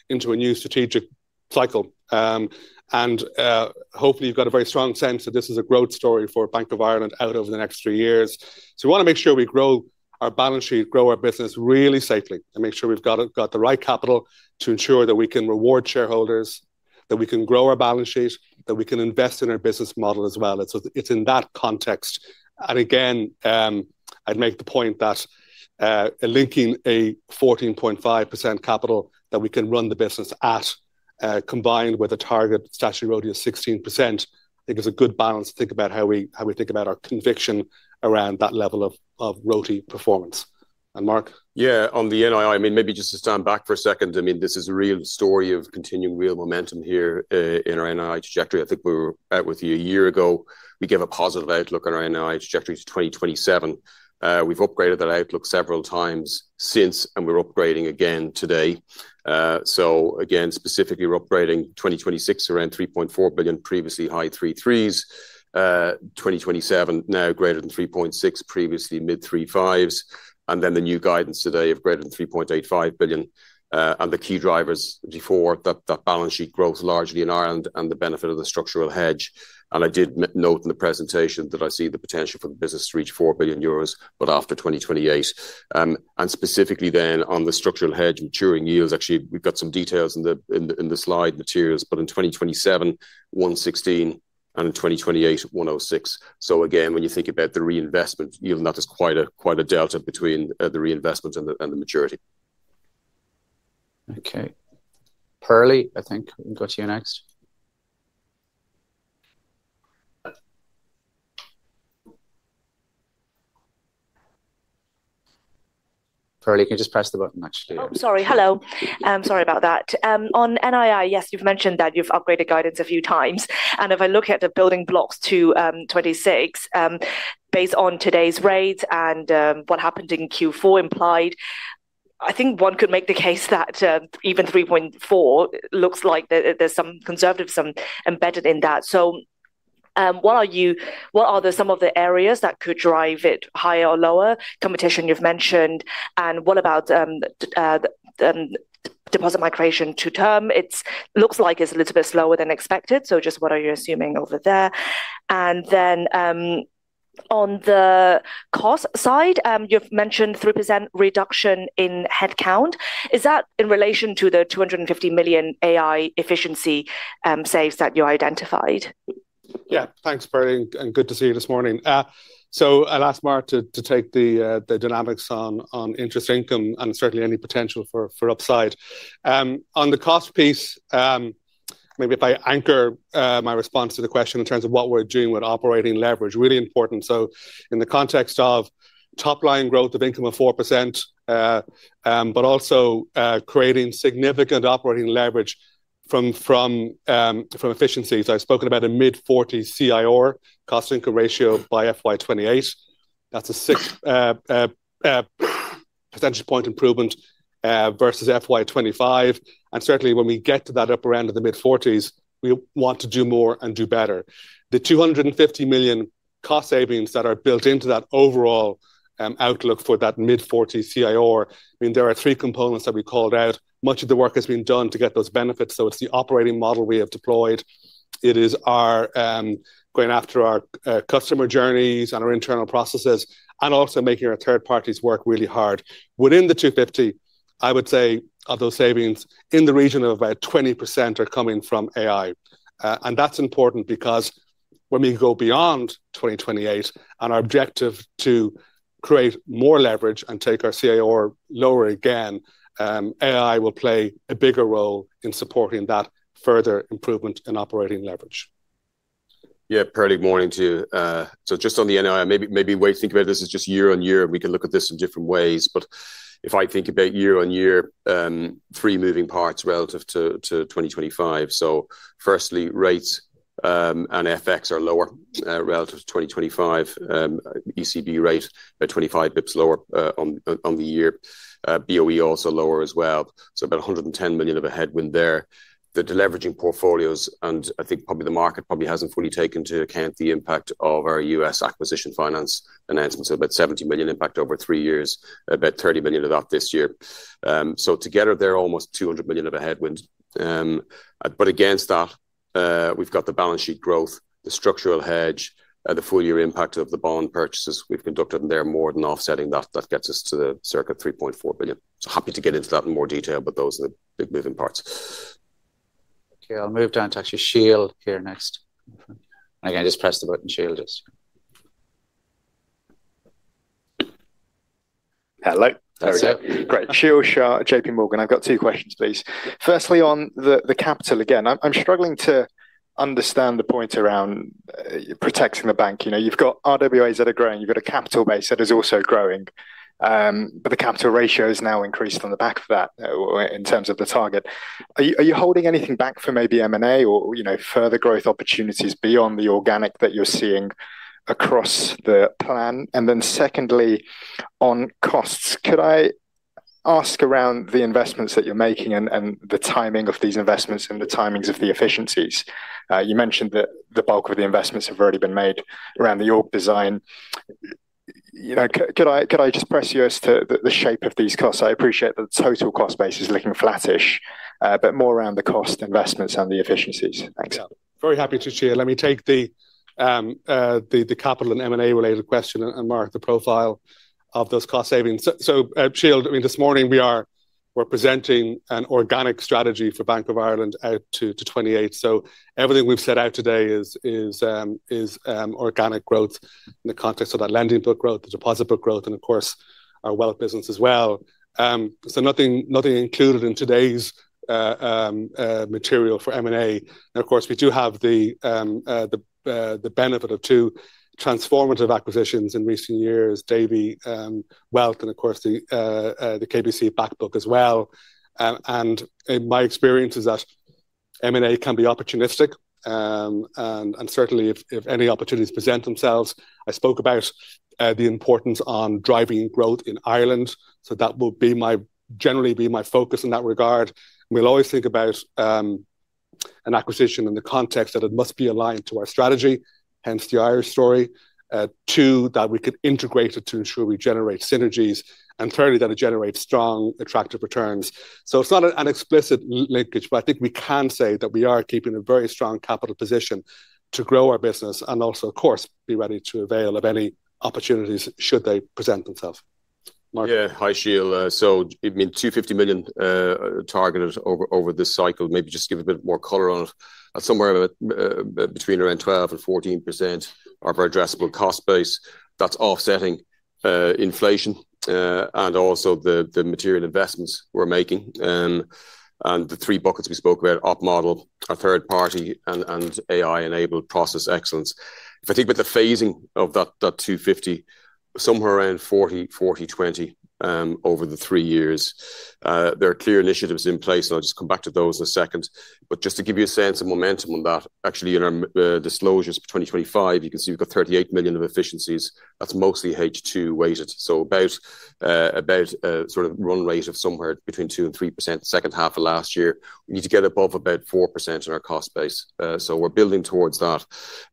into a new strategic cycle. Hopefully you've got a very strong sense that this is a growth story for Bank of Ireland out over the next three years. We wanna make sure we grow our balance sheet, grow our business really safely, and make sure we've got the right capital to ensure that we can reward shareholders, that we can grow our balance sheet, that we can invest in our business model as well. It's in that context. I'd make the point that linking a 14.5% capital that we can run the business at, combined with a target statutory ROTE of 16%, I think is a good balance to think about how we think about our conviction around that level of ROTE performance. Mark? On the NII, maybe just to stand back for a second. This is a real story of continuing real momentum here in our NII trajectory. I think we were out with you a year ago. We gave a positive outlook on our NII trajectory to 2027. We've upgraded that outlook several times since, and we're upgrading again today. Again, specifically we're upgrading 2026 around 3.4 billion, previously high 3.3 billion. 2027 now greater than 3.6 billion, previously mid three fives. The new guidance today of greater than 3.85 billion. The key drivers before that balance sheet growth largely in Ireland and the benefit of the structural hedge. I did note in the presentation that I see the potential for the business to reach 4 billion euros, but after 2028. Specifically on the structural hedge maturing yields, actually, we've got some details in the slide materials, but in 2027, 116, and in 2028, 106. Again, when you think about the reinvestment yield, that is quite a delta between the reinvestment and the maturity. Okay. Perlie, I think we can go to you next. Perlie, you can just press the button actually. Oh, sorry. Hello. Sorry about that. On NII, yes, you've mentioned that you've upgraded guidance a few times. If I look at the building blocks to 2026, based on today's rates and what happened in Q4 implied, I think one could make the case that even 3.4 looks like there's some conservatism embedded in that. What are some of the areas that could drive it higher or lower? Competition you've mentioned. What about deposit migration to term? It's looks like it's a little bit slower than expected, so just what are you assuming over there? On the cost side, you've mentioned 3% reduction in headcount. Is that in relation to the 250 million AI efficiency saves that you identified? Thanks, Perlie, good to see you this morning. I'll ask Mark to take the dynamics on interest income and certainly any potential for upside. On the cost piece, maybe if I anchor my response to the question in terms of what we're doing with operating leverage, really important. In the context of top line growth of income of 4%, also creating significant operating leverage from efficiencies. I've spoken about a mid-40s CIR, cost income ratio by FY28. That's a 6 potential point improvement versus FY25. Certainly when we get to that up around in the mid-40s, we want to do more and do better. The 250 million cost savings that are built into that overall outlook for that mid-40% CIR there are three components that we called out. Much of the work has been done to get those benefits, it's the operating model we have deployed. It is our going after our customer journeys and our internal processes, and also making our third parties work really hard. Within the 250, I would say of those savings in the region of about 20% are coming from AI. That's important because when we go beyond 2028 and our objective to create more leverage and take our CIR lower again, AI will play a bigger role in supporting that further improvement in operating leverage. Perlie, good morning to you. Just on the NII, maybe way to think about this is just year-on-year, and we can look at this in different ways. If I think about year-on-year, three moving parts relative to 2025. Firstly, rates, and FX are lower, relative to 2025. ECB rate at 25 bps lower, on the year. BOE also lower as well, so about 110 million of a headwind there. The deleveraging portfolios, and I think probably the market probably hasn't fully taken into account the impact of our US acquisition finance announcements, about 70 million impact over three years, about 30 million of that this year. Together they're almost 200 million of a headwind. Against that, we've got the balance sheet growth, the structural hedge, the full year impact of the bond purchases we've conducted, and they're more than offsetting that. That gets us to the circa 3.4 billion. Happy to get into that in more detail, but those are the big moving parts. Okay. I'll move down to actually Sheel here next. Just press the button, Sheel. Great. Sheel Shah at JPMorgan. I've got two questions, please. Firstly, on the capital. Again, I'm struggling to understand the point around protecting the bank. You know, you've got RWAs that are growing, you've got a capital base that is also growing, but the capital ratio has now increased on the back of that in terms of the target. Are you holding anything back for maybe M&A or, you know, further growth opportunities beyond the organic that you're seeing across the plan? Secondly, on costs, could I ask around the investments that you're making and the timing of these investments and the timings of the efficiencies? You mentioned that the bulk of the investments have already been made around the org design. You know, could I just press you as to the shape of these costs? I appreciate the total cost base is looking flattish, but more around the cost investments and the efficiencies. Thanks. Very happy to, Sheel. Let me take the capital and M&A related question, and Mark the profile of those cost savings. Sheel, I mean, this morning we are, we're presenting an organic strategy for Bank of Ireland out to 28. Everything we've set out today is organic growth in the context of that lending book growth, the deposit book growth, and of course our wealth business as well. Nothing included in today's material for M&A. Of course, we do have the benefit of two transformative acquisitions in recent years, Davy Wealth, and of course the KBC back book as well. My experience is that M&A can be opportunistic. Certainly, if any opportunities present themselves, I spoke about the importance on driving growth in Ireland, that will generally be my focus in that regard. We'll always think about an acquisition in the context that it must be aligned to our strategy, hence the Irish story. Two, that we could integrate it to ensure we generate synergies. Thirdly, that it generates strong, attractive returns. It's not an explicit linkage, but I think we can say that we are keeping a very strong capital position to grow our business and also, of course, be ready to avail of any opportunities should they present themselves. Mark? Hi, Sheel. I mean, 250 million targeted over this cycle, maybe just give a bit more color on it. At somewhere about between around 12% and 14% of our addressable cost base, that's offsetting inflation and also the material investments we're making. And the three buckets we spoke about, op model, our third party, and AI-enabled process excellence. If I think about the phasing of that 250, somewhere around 40/20 over the 3 years. There are clear initiatives in place, and I'll just come back to those in a second. Just to give you a sense of momentum on that, actually in our disclosures for 2025, you can see we've got 38 million of efficiencies. That's mostly H2 weighted, so about a sort of run rate of somewhere between 2% and 3% second half of last year. We need to get above about 4% in our cost base. We're building towards that.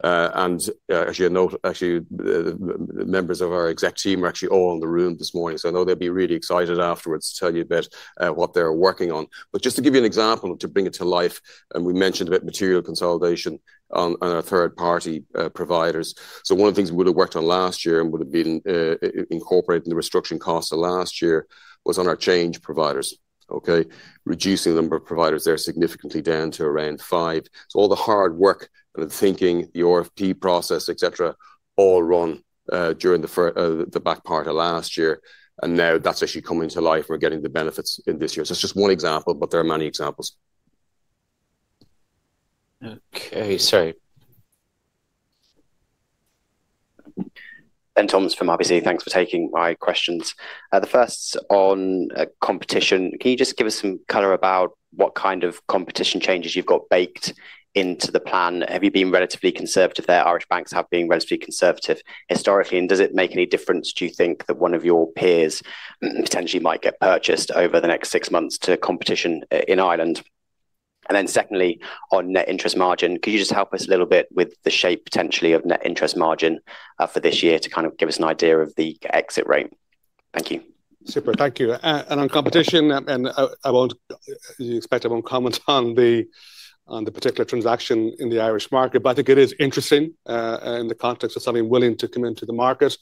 Actually a note, actually, the members of our exec team are actually all in the room this morning, so I know they'll be really excited afterwards to tell you about what they're working on. Just to give you an example to bring it to life, and we mentioned about material consolidation on our third party providers. One of the things we would've worked on last year and would've been incorporated in the restructuring costs of last year was on our change providers. Okay? Reducing the number of providers there significantly down to around five. All the hard work and the thinking, the RFP process, et cetera, all run, during the back part of last year, now that's actually coming to life and we're getting the benefits in this year. It's just one example, but there are many examples. Okay. Sorry. Benjamin Toms from RBC. Thanks for taking my questions. The first on competition. Can you just give us some color about what kind of competition changes you've got baked into the plan? Have you been relatively conservative there? Irish banks have been relatively conservative historically. Does it make any difference, do you think, that one of your peers potentially might get purchased over the next 6 months to competition in Ireland? Secondly, on net interest margin, could you just help us a little bit with the shape potentially of net interest margin for this year to kind of give us an idea of the exit rate? Thank you. Super. Thank you. On competition, I won't, as you expect, I won't comment on the particular transaction in the Irish market. I think it is interesting in the context of somebody willing to come into the market.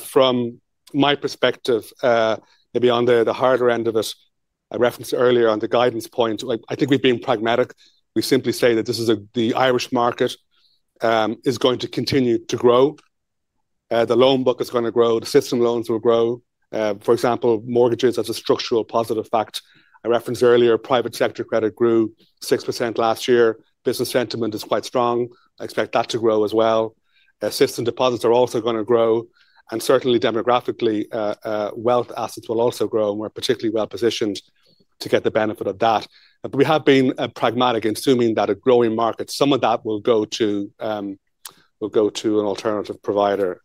From my perspective, maybe on the harder end of it, I referenced earlier on the guidance point, like, I think we're being pragmatic. We simply say that this is the Irish market is going to continue to grow. The loan book is gonna grow. The system loans will grow. For example, mortgages, that's a structural positive fact. I referenced earlier private sector credit grew 6% last year. Business sentiment is quite strong. I expect that to grow as well. System deposits are also gonna grow, and certainly demographically, wealth assets will also grow, and we're particularly well-positioned to get the benefit of that. We have been pragmatic in assuming that a growing market, some of that will go to, will go to an alternative provider.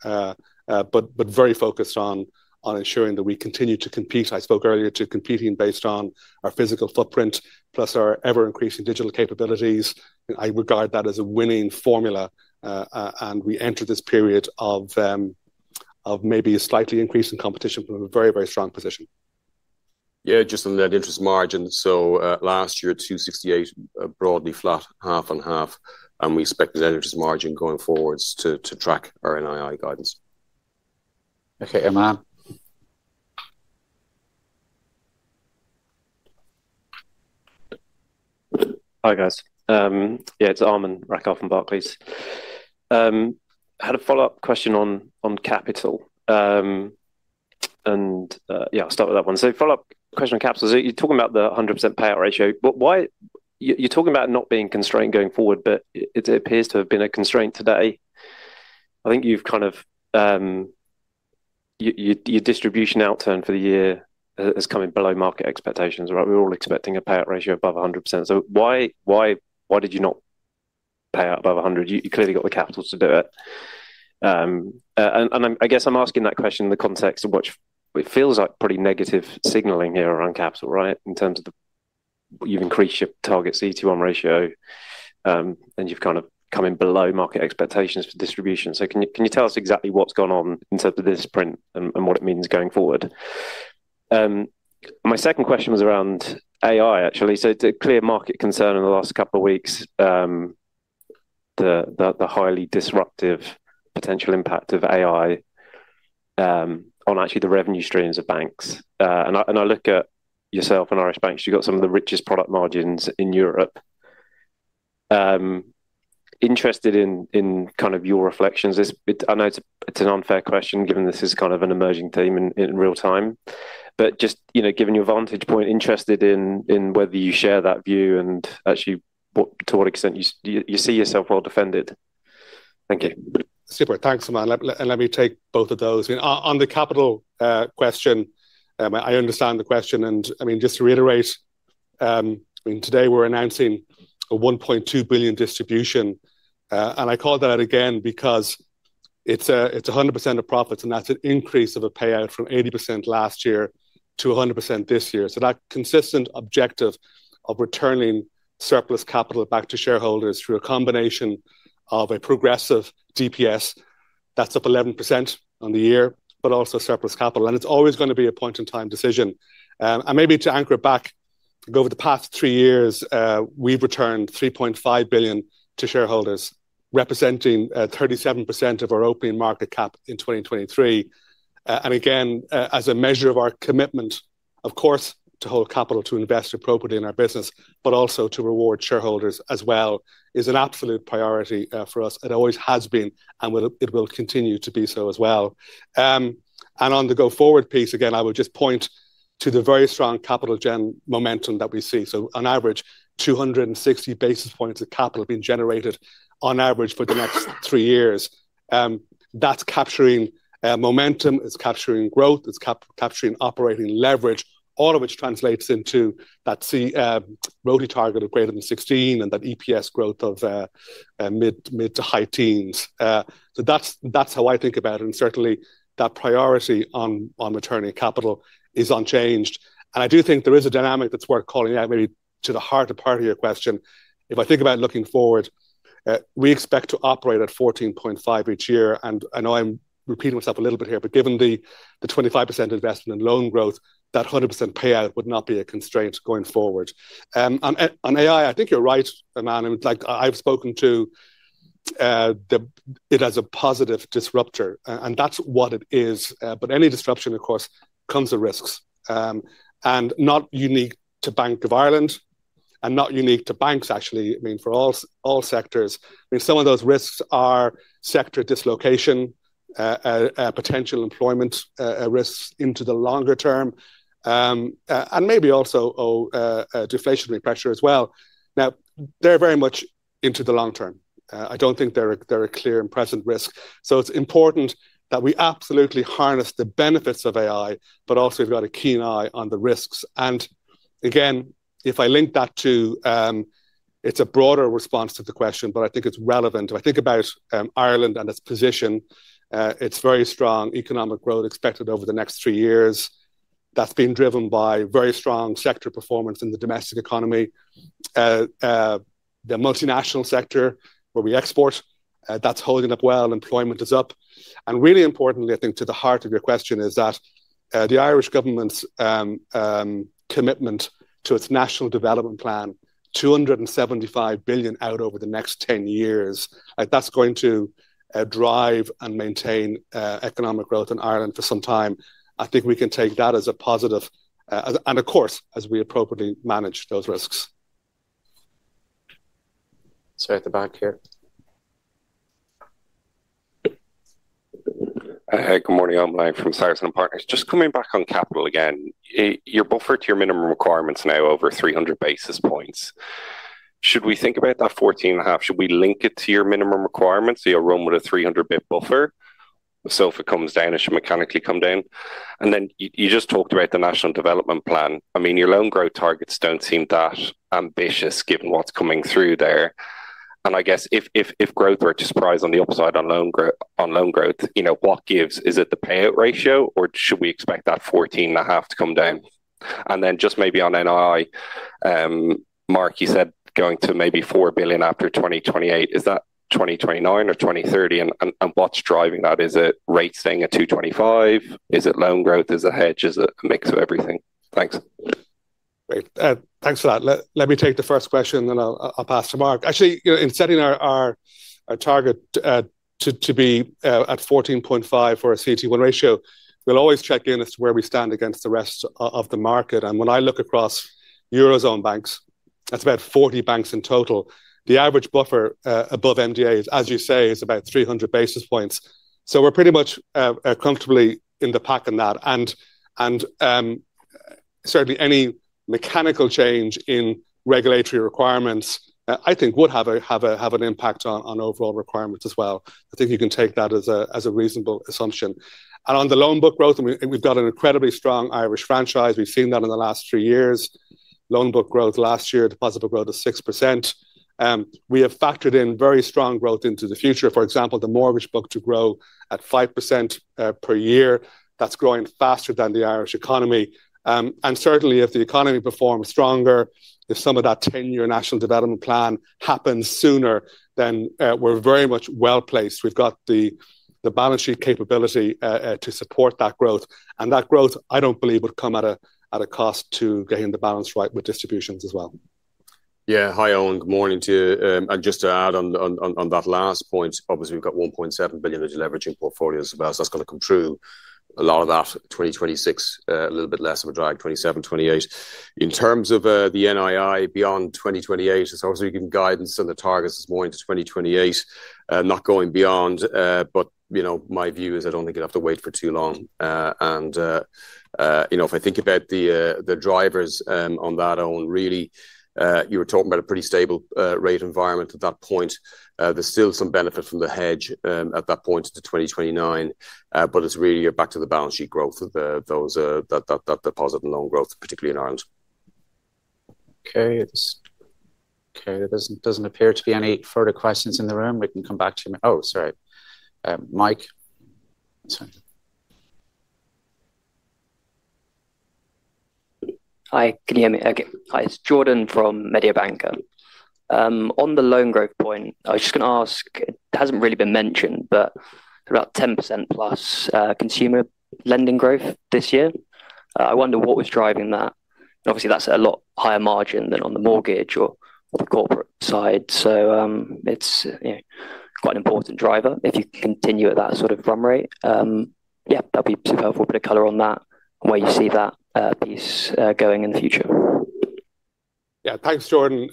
Very focused on ensuring that we continue to compete. I spoke earlier to competing based on our physical footprint plus our ever-increasing digital capabilities. I regard that as a winning formula. We enter this period of maybe a slightly increase in competition but in a very, very strong position. Just on net interest margin. Last year, 2.68%, broadly flat, half and half, and we expect the net interest margin going forwards to track our NII guidance. Okay. Aman. Hi, guys. It's Aman Rakkar from Barclays. Had a follow-up question on capital. I'll start with that one. Follow-up question on capital. You're talking about the 100% payout ratio. You're talking about not being constrained going forward, it appears to have been a constraint today. I think you've kind of, your distribution outturn for the year has come in below market expectations, right? We're all expecting a payout ratio above 100%. Why did you not pay out above 100%? You clearly got the capital to do it. I guess I'm asking that question in the context of what it feels like pretty negative signaling here around capital, right? You've increased your target CET1 ratio, and you've kind of come in below market expectations for distribution. Can you tell us exactly what's gone on in terms of this print and what it means going forward? My second question was around AI, actually. It's a clear market concern in the last couple of weeks, the highly disruptive potential impact of AI on actually the revenue streams of banks. And I look at yourself and Irish banks, you've got some of the richest product margins in Europe. Interested in kind of your reflections. I know it's an unfair question given this is kind of an emerging theme in real time. Just, you know, given your vantage point, interested in whether you share that view and actually to what extent you see yourself well-defended. Thank you. Super. Thanks, Aman. Let me take both of those. On the capital question, I understand the question, and I mean, just to reiterate, I mean, today we're announcing a 1.2 billion distribution. I call that out again because it's 100% of profits, and that's an increase of a payout from 80% last year to 100% this year. That consistent objective of returning surplus capital back to shareholders through a combination of a progressive DPS, that's up 11% on the year, but also surplus capital. It's always gonna be a point-in-time decision. Maybe to anchor it back, over the past 3 years, we've returned 3.5 billion to shareholders, representing 37% of our opening market cap in 2023. Again, as a measure of our commitment, of course, to hold capital to invest appropriately in our business, but also to reward shareholders as well, is an absolute priority for us. It always has been, and it will continue to be so as well. On the go-forward piece, again, I would just point to the very strong capital-gen momentum that we see. On average, 260 basis points of capital being generated on average for the next 3 years. That's capturing momentum, it's capturing growth, it's capturing operating leverage, all of which translates into that ROTE target of greater than 16 and that EPS growth of mid to high teens. That's how I think about it, and certainly that priority on returning capital is unchanged. I do think there is a dynamic that's worth calling out, maybe to the heart of part of your question. If I think about looking forward, we expect to operate at 14.5% each year. I know I'm repeating myself a little bit here, but given the 25% investment in loan growth, that 100% payout would not be a constraint going forward. On AI, you're right, Aman. I've spoken to it as a positive disruptor, and that's what it is. Any disruption, of course, comes with risks. Not unique to Bank of Ireland, and not unique to banks, actually. I mean, for all sectors. I mean, some of those risks are sector dislocation potential employment risks into the longer term, and maybe also deflationary pressure as well. They're very much into the long term. I don't think they're a clear and present risk. It's important that we absolutely harness the benefits of AI, but also we've got a keen eye on the risks. Again, if I link that to. It's a broader response to the question, but I think it's relevant. If I think about Ireland and its position, it's very strong economic growth expected over the next three years that's been driven by very strong sector performance in the domestic economy. The multinational sector where we export, that's holding up well, employment is up. Really importantly, I think to the heart of your question is that, the Irish government's commitment to its National Development Plan, 275 billion out over the next 10 years, like, that's going to drive and maintain economic growth in Ireland for some time. I think we can take that as a positive, and of course, as we appropriately manage those risks. Sorry, at the back here. Good morning, Eammon. Owen from Cyprium Partners. Just coming back on capital again. You're buffered to your minimum requirements now over 300 basis points. Should we think about that 14.5? Should we link it to your minimum requirements, so you'll run with a 300 bit buffer? If it comes down, it should mechanically come down. Then you just talked about the National Development Plan. I mean, your loan growth targets don't seem that ambitious given what's coming through there. I guess if growth were to surprise on the upside on loan growth, you know, what gives? Is it the payout ratio, or should we expect that 14.5 to come down? Then just maybe on NI, Mark, you said going to maybe 4 billion after 2028. Is that 2029 or 2030, and what's driving that? Is it rates staying at 225? Is it loan growth? Is it hedge? Is it a mix of everything? Thanks. Great. Thanks for that. Let me take the first question, then I'll pass to Mark. Actually, you know, in setting our target to be at 14.5 for a CET1 ratio, we'll always check in as to where we stand against the rest of the market. When I look across eurozone banks, that's about 40 banks in total. The average buffer above MDA, as you say, is about 300 basis points. We're pretty much comfortably in the pack in that. Certainly any mechanical change in regulatory requirements, I think would have an impact on overall requirements as well. I think you can take that as a reasonable assumption. On the loan book growth, we've got an incredibly strong Irish franchise. We've seen that in the last 3 years. Loan book growth last year, deposit book growth of 6%. We have factored in very strong growth into the future. For example, the mortgage book to grow at 5% per year. That's growing faster than the Irish economy. Certainly if the economy performs stronger, if some of that 10-year National Development Plan happens sooner, then we're very much well-placed. We've got the balance sheet capability to support that growth. That growth, I don't believe would come at a cost to getting the balance right with distributions as well. Hi, Owen. Good morning to you. Just to add on that last point, obviously we've got 1.7 billion of deleveraging portfolios as well, so that's gotta come through. A lot of that, 2026, a little bit less of a drag, 2027, 2028. In terms of the NII beyond 2028, as obviously we've given guidance on the targets is more into 2028, not going beyond. You know, my view is I don't think you'd have to wait for too long. You know, if I think about the drivers, on that, Eoin, really, you were talking about a pretty stable rate environment at that point. There's still some benefit from the hedge, at that point into 2029, but it's really back to the balance sheet growth of those, that deposit and loan growth, particularly in Ireland. Okay. It's Okay. There doesn't appear to be any further questions in the room. Hi. It's Jordan from Mediobanca. On the loan growth point, I was just gonna ask, it hasn't really been mentioned, but about 10%+ consumer lending growth this year. I wonder what was driving that. Obviously, that's a lot higher margin than on the mortgage or the corporate side. It's, you know, quite an important driver if you continue at that sort of run rate. That'd be super helpful, a bit of color on that and where you see that piece going in the future. Thanks, Jordan.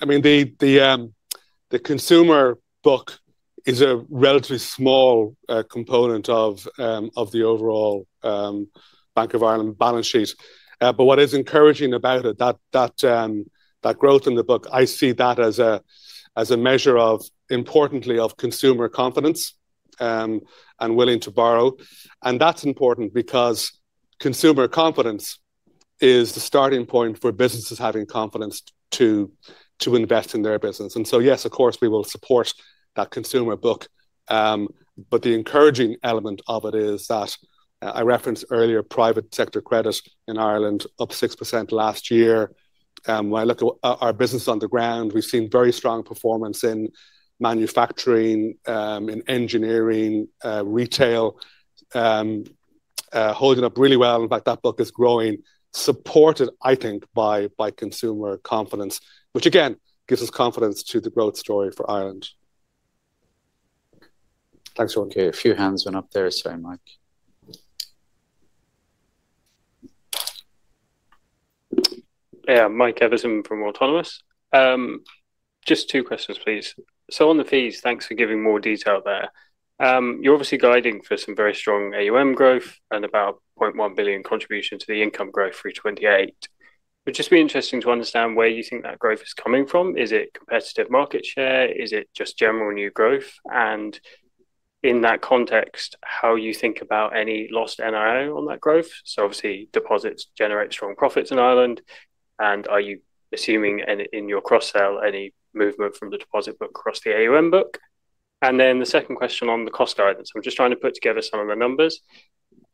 The consumer book is a relatively small component of the overall Bank of Ireland balance sheet. But what is encouraging about it, that growth in the book, I see that as a measure of, importantly, of consumer confidence and willing to borrow. That's important because consumer confidence is the starting point for businesses having confidence to invest in their business. Yes, of course, we will support that consumer book. The encouraging element of it is that I referenced earlier private sector credit in Ireland up 6% last year. When I look at our business on the ground, we've seen very strong performance in manufacturing, in engineering, retail, holding up really well. In fact, that book is growing, supported, I think, by consumer confidence, which again, gives us confidence to the growth story for Ireland. Thanks, Jordan. Okay. A few hands went up there. Sorry, Mike. Mike Evison from Autonomous. Just two questions please. On the fees, thanks for giving more detail there. You're obviously guiding for some very strong AUM growth and about 0.1 billion contribution to the income growth through 2028. It'd just be interesting to understand where you think that growth is coming from. Is it competitive market share? Is it just general new growth? In that context, how you think about any lost NII on that growth. Obviously deposits generate strong profits in Ireland, and are you assuming any, in your cross sale, any movement from the deposit book across the AUM book? The second question on the cost guidance. I'm just trying to put together some of the numbers.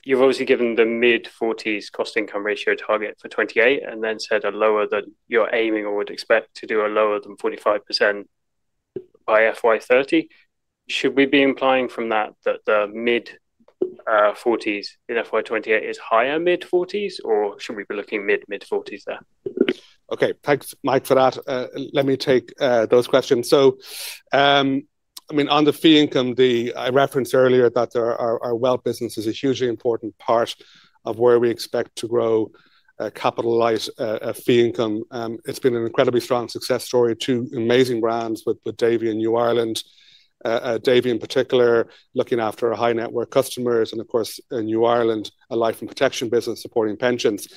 You've obviously given the mid-forties cost income ratio target for 2028 and then said a lower than you're aiming or would expect to do a lower than 45% by FY 2030. Should we be implying from that the mid, forties in FY 2028 is higher mid-forties, or should we be looking mid mid-forties there? Okay. Thanks Mike for that. Let me take those questions. I mean, on the fee income, I referenced earlier that our wealth business is a hugely important part of where we expect to grow, capitalize fee income. It's been an incredibly strong success story, two amazing brands with Davy and New Ireland. Davy in particular looking after our high net worth customers and of course in New Ireland, a life and protection business supporting pensions.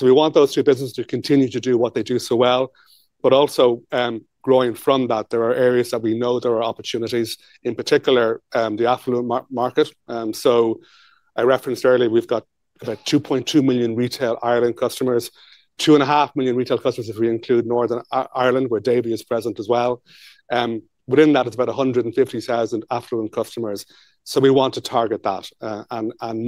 We want those two businesses to continue to do what they do so well, but also, growing from that, there are areas that we know there are opportunities, in particular, the affluent market. I referenced earlier we've got about 2.2 million retail Ireland customers, 2.5 million retail customers if we include Northern Ireland, where Davy is present as well. Within that it's about 150,000 affluent customers. We want to target that.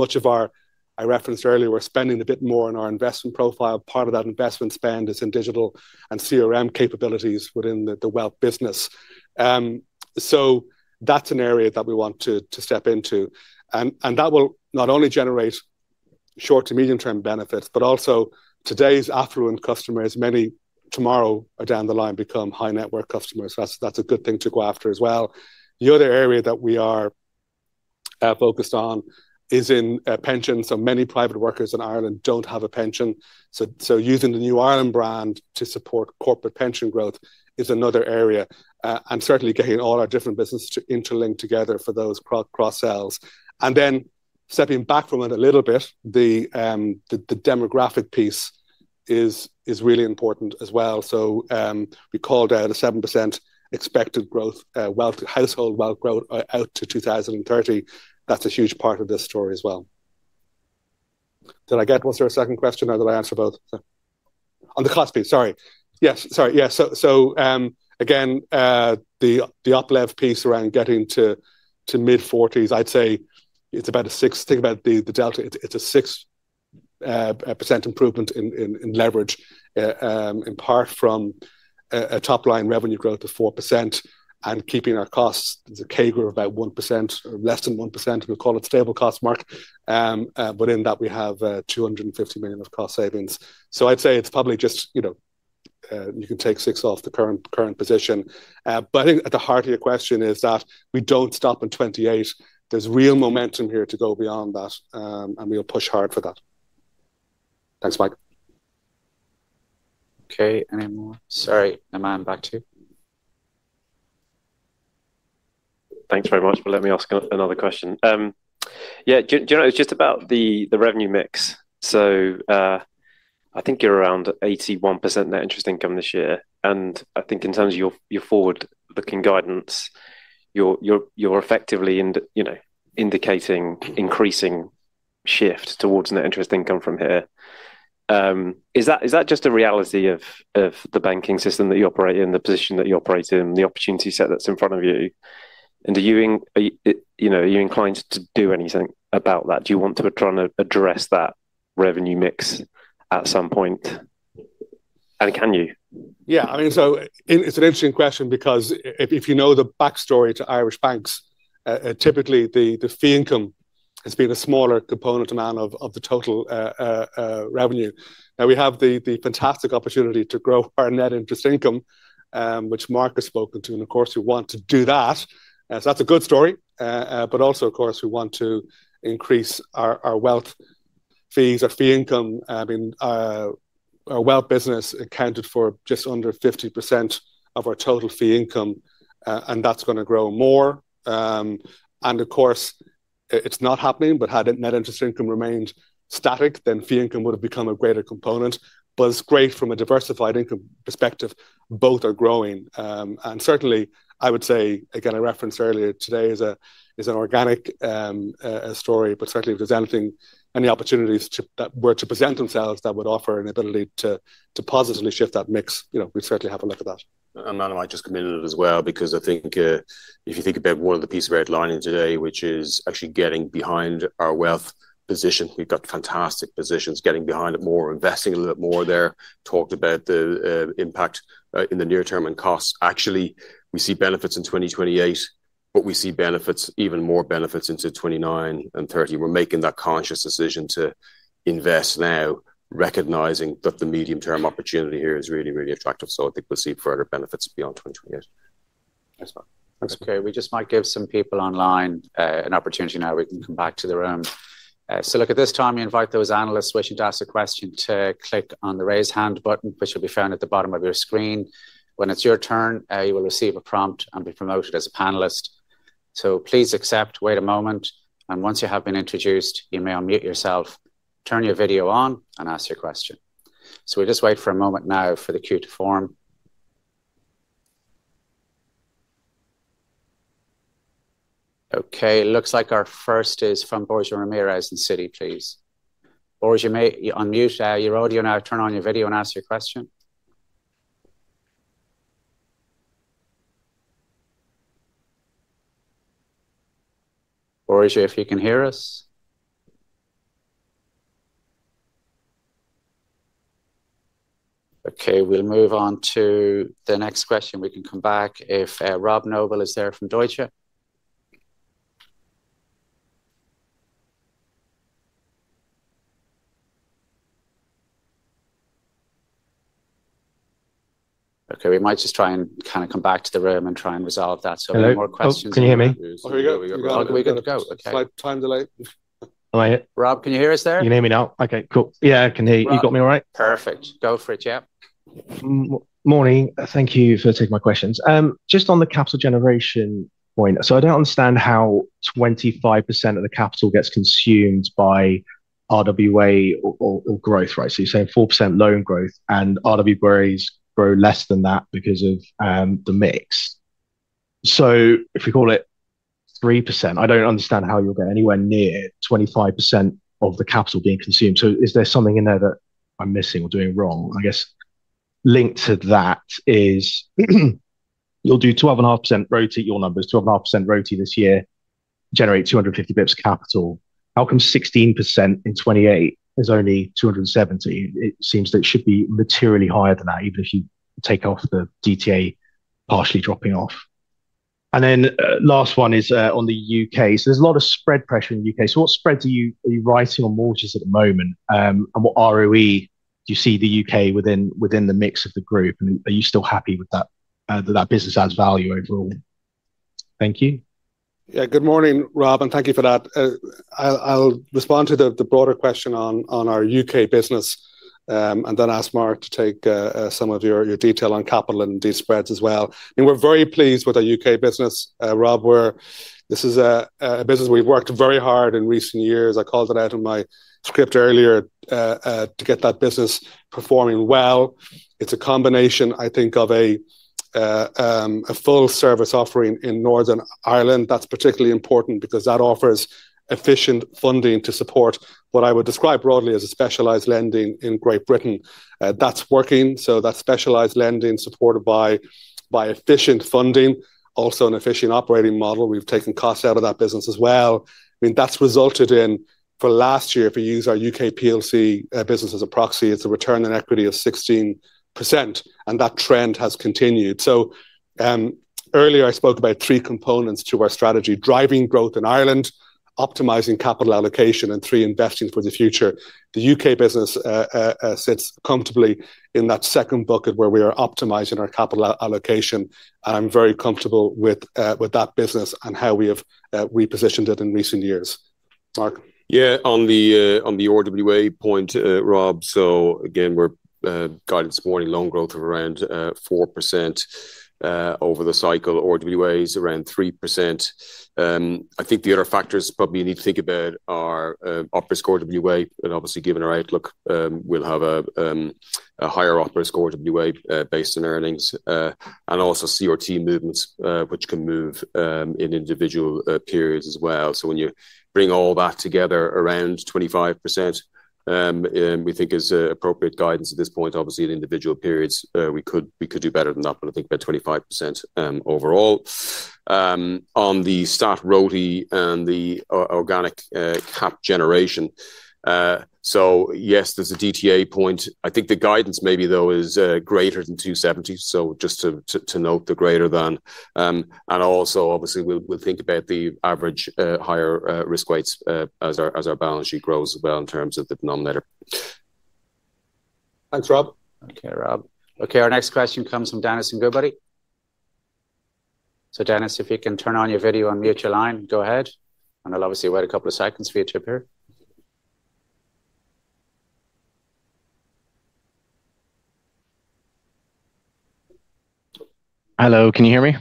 Much of our, I referenced earlier, we're spending a bit more on our investment profile. Part of that investment spend is in digital and CRM capabilities within the Wealth business. That's an area that we want to step into and that will not only generate short to medium term benefits, but also today's affluent customers, many tomorrow or down the line become high net worth customers. That's a good thing to go after as well. The other area that we are focused on is in pensions. Many private workers in Ireland don't have a pension, so using the New Ireland brand to support corporate pension growth is another area. Certainly getting all our different businesses to interlink together for those cross-sells. Stepping back from it a little bit, the demographic piece is really important as well. We called out a 7% expected growth, wealth, household wealth growth out to 2030. That's a huge part of this story as well. Was there a second question or did I answer both? On the cost piece. Again, the operating leverage piece around getting to mid-40s, I'd say it's about a 6%. Think about the delta. It's a 6% improvement in leverage in part from a top-line revenue growth of 4% and keeping our costs as a CAGR of about 1% or less than 1%, we'll call it stable cost mark. But in that we have 250 million of cost savings. So I'd say it's probably just, you know, you can take 6 off the current position. But I think at the heart of your question is that we don't stop in 2028. There's real momentum here to go beyond that. And we'll push hard for that. Thanks, Mike. Okay. Anymore? Sorry, Aman back to you. Thanks very much. Let me ask another question. It's just about the revenue mix. I think you're around 81% net interest income this year, and I think in terms of your forward-looking guidance, you're effectively you know, indicating increasing shift towards net interest income from here. Is that just a reality of the banking system that you operate in, the position that you operate in, the opportunity set that's in front of you? You know, are you inclined to do anything about that? Do you want to try and address that revenue mix at some point? Can you? I mean, it's an interesting question because if you know the backstory to Irish banks, typically the fee income has been a smaller component, Aman, of the total revenue. Now we have the fantastic opportunity to grow our net interest income, which Mark has spoken to, and of course we want to do that. That's a good story. But also of course, we want to increase our wealth fees, our fee income. I mean, our wealth business accounted for just under 50% of our total fee income. And that's gonna grow more. And of course it's not happening, but had net interest income remained static, then fee income would've become a greater component. It's great from a diversified income perspective, both are growing. Certainly, I would say, again, I referenced earlier today is a, is an organic story, but certainly if there's anything, any opportunities that were to present themselves that would offer an ability to positively shift that mix we'd certainly have a look at that. I might just come in on it as well because I think, if you think about one of the pieces we outlined in today, which is actually getting behind our wealth position, we've got fantastic positions, getting behind it more, investing a little bit more there. Talked about the impact in the near term and costs. Actually, we see benefits in 2028, but we see benefits, even more benefits into 2029 and 2030. We're making that conscious decision to invest now, recognizing that the medium term opportunity here is really, really attractive. I think we'll see further benefits beyond 2028. Thanks, Mark. We just might give some people online an opportunity now. We can come back to the room. At this time we invite those analysts wishing to ask a question to click on the Raise Hand button, which will be found at the bottom of your screen. When it's your turn, you will receive a prompt and be promoted as a panelist. Please accept, wait a moment, and once you have been introduced, you may unmute yourself, turn your video on and ask your question. We'll just wait for a moment now for the queue to form. Looks like our first is from Borja Ramirez in Citi, please. Borja, you may unmute your audio now, turn on your video and ask your question. Borja, if you can hear us. We'll move on to the next question. We can come back if, Rob Noble is there from Deutsche. Okay, we might just try and kind of come back to the room and try and resolve that any more questions. Morning. Thank you for taking my questions. Just on the capital generation point, I don't understand how 25% of the capital gets consumed by RWA or growth, right? You're saying 4% loan growth and RWAs grow less than that because of the mix. If we call it 3%, I don't understand how you'll get anywhere near 25% of the capital being consumed. Is there something in there that I'm missing or doing wrong? I guess linked to that is, you'll do 12.5% ROTE, your numbers, 12.5% ROTE this year, generate 250 basis points capital. How come 16% in 2028 is only 270? It seems that it should be materially higher than that, even if you take off the DTA partially dropping off. Last one is on the U.K.. There's a lot of spread pressure in the U.K.. What spreads are you writing on mortgages at the moment? What ROE do you see the U.K. within the mix of the group, and are you still happy with that business adds value overall? Thank you. Good morning, Rob, and thank you for that. I'll respond to the broader question on our U.K. business, and then ask Mark to take some of your detail on capital and these spreads as well. I mean, we're very pleased with our U.K. business, Rob, where this is a business we've worked very hard in recent years, I called it out in my script earlier, to get that business performing well. It's a combination, I think, of a full service offering in Northern Ireland. That's particularly important because that offers efficient funding to support what I would describe broadly as a specialized lending in Great Britain. That's working, so that specialized lending supported by efficient funding, also an efficient operating model. We've taken costs out of that business as well. That's resulted in for last year, if we use our UK PLC business as a proxy, it's a return on equity of 16%, and that trend has continued. Earlier I spoke about three components to our strategy: driving growth in Ireland, optimizing capital allocation, and three, investing for the future. The U.K. business sits comfortably in that second bucket where we are optimizing our capital allocation, and I'm very comfortable with that business and how we have repositioned it in recent years. Mark? On the RWA point, Rob, again, we're guidance morning loan growth of around 4% over the cycle. RWA is around 3%. I think the other factors probably you need to think about are OpRisk RWA, and obviously given our outlook, we'll have a higher OpRisk RWA based on earnings. Also CRT movements, which can move in individual periods as well. When you bring all that together, around 25%, we think is appropriate guidance at this point. Obviously in individual periods, we could do better than that, but I think about 25% overall. On the stat ROTE and the organic cap generation, yes, there's a DTA point. I think the guidance maybe though is greater than 270, so just to note the greater than. Obviously, we'll think about the average, higher risk weights, as our balance sheet grows as well in terms of the denominator. Thanks, Rob. Okay, Rob. Okay, our next question comes from Denis in Goodbody. Denis, if you can turn on your video, unmute your line, go ahead, and I'll obviously wait a couple of seconds for you to appear. Great.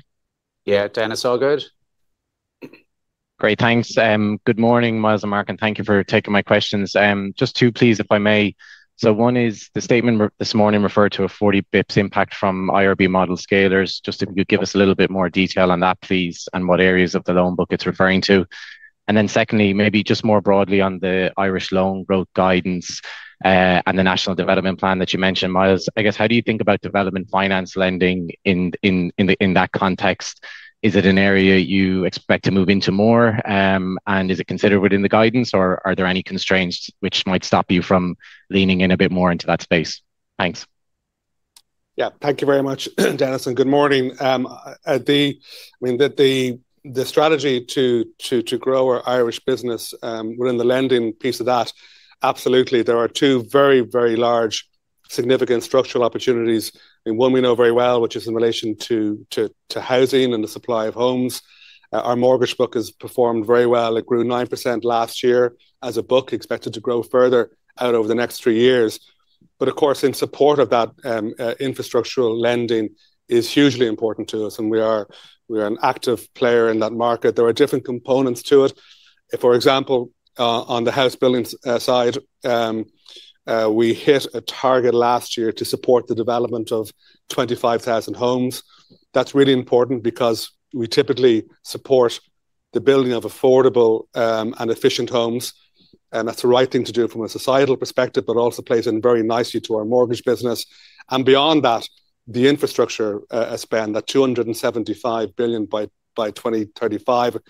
Thanks. Good morning, Myles and Mark, and thank you for taking my questions. Just two please, if I may. One is the statement this morning referred to a 40 basis points impact from IRB model scalers. Just if you could give us a little bit more detail on that, please, and what areas of the loan book it's referring to. Secondly, maybe just more broadly on the Irish loan growth guidance, and the National Development Plan that you mentioned, Myles. I guess, how do you think about development finance lending in the, in that context? Is it an area you expect to move into more? Is it considered within the guidance, or are there any constraints which might stop you from leaning in a bit more into that space? Thanks. Thank you very much, Denis, and good morning. The strategy to grow our Irish business, within the lending piece of that, absolutely, there are two Significant structural opportunities in one we know very well, which is in relation to housing and the supply of homes. Our mortgage book has performed very well. It grew 9% last year as a book, expected to grow further out over the next 3 years. Of course, in support of that, infrastructural lending is hugely important to us, and we are, we're an active player in that market. There are different components to it. For example, on the house building side, we hit a target last year to support the development of 25,000 homes. That's really important because we typically support the building of affordable and efficient homes, and that's the right thing to do from a societal perspective, but also plays in very nicely to our mortgage business. Beyond that, the infrastructure spend, that 275 billion by 2035, about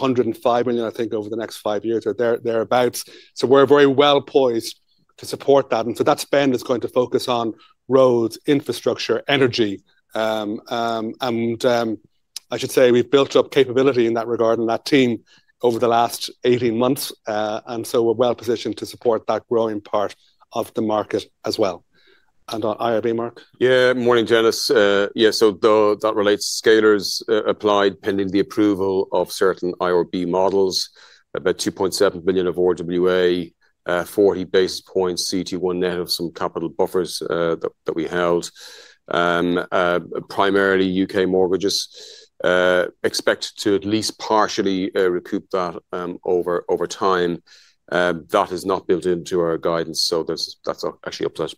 105 million, I think, over the next 5 years or thereabouts. We're very well poised to support that. That spend is going to focus on roads, infrastructure, energy. I should say we've built up capability in that regard and that team over the last 18 months, we're well-positioned to support that growing part of the market as well. On IRB, Mark. That relates to scalers applied pending the approval of certain IRB models, about 2.7 billion of RWA, 40 basis points CET1 now have some capital buffers that we held. Primarily U.K. mortgages, expect to at least partially recoup that over time. That is not built into our guidance, so that's actually a plus.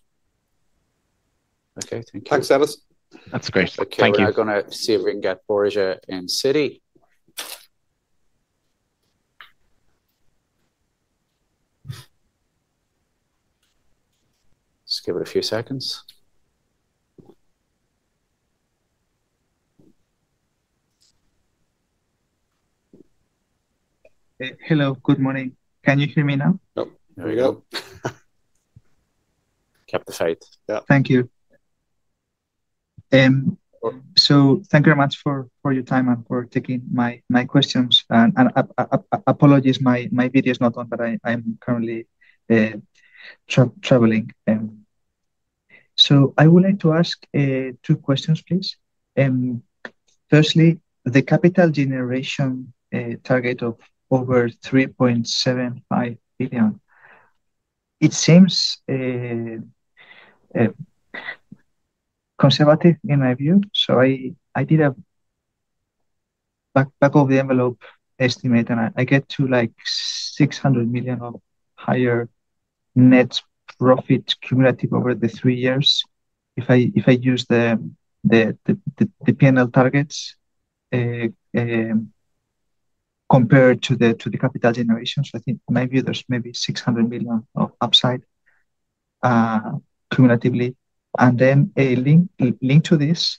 Okay. Thank you. Thanks, Denis. That's great. Thank you. Okay. We're now gonna see if we can get Borja in Citi. Just give it a few seconds. Thank you. Thank you very much for your time and for taking my questions. Apologies, my video is not on, but I'm currently traveling. I would like to ask two questions, please. Firstly, the capital generation target of over 3.75 billion, it seems conservative in my view. I did a back of the envelope estimate, and I get to like 600 million or higher net profit cumulative over the 3 years. If I use the P&L targets compared to the capital generations, I think maybe there's 600 million of upside cumulatively. Then a link to this,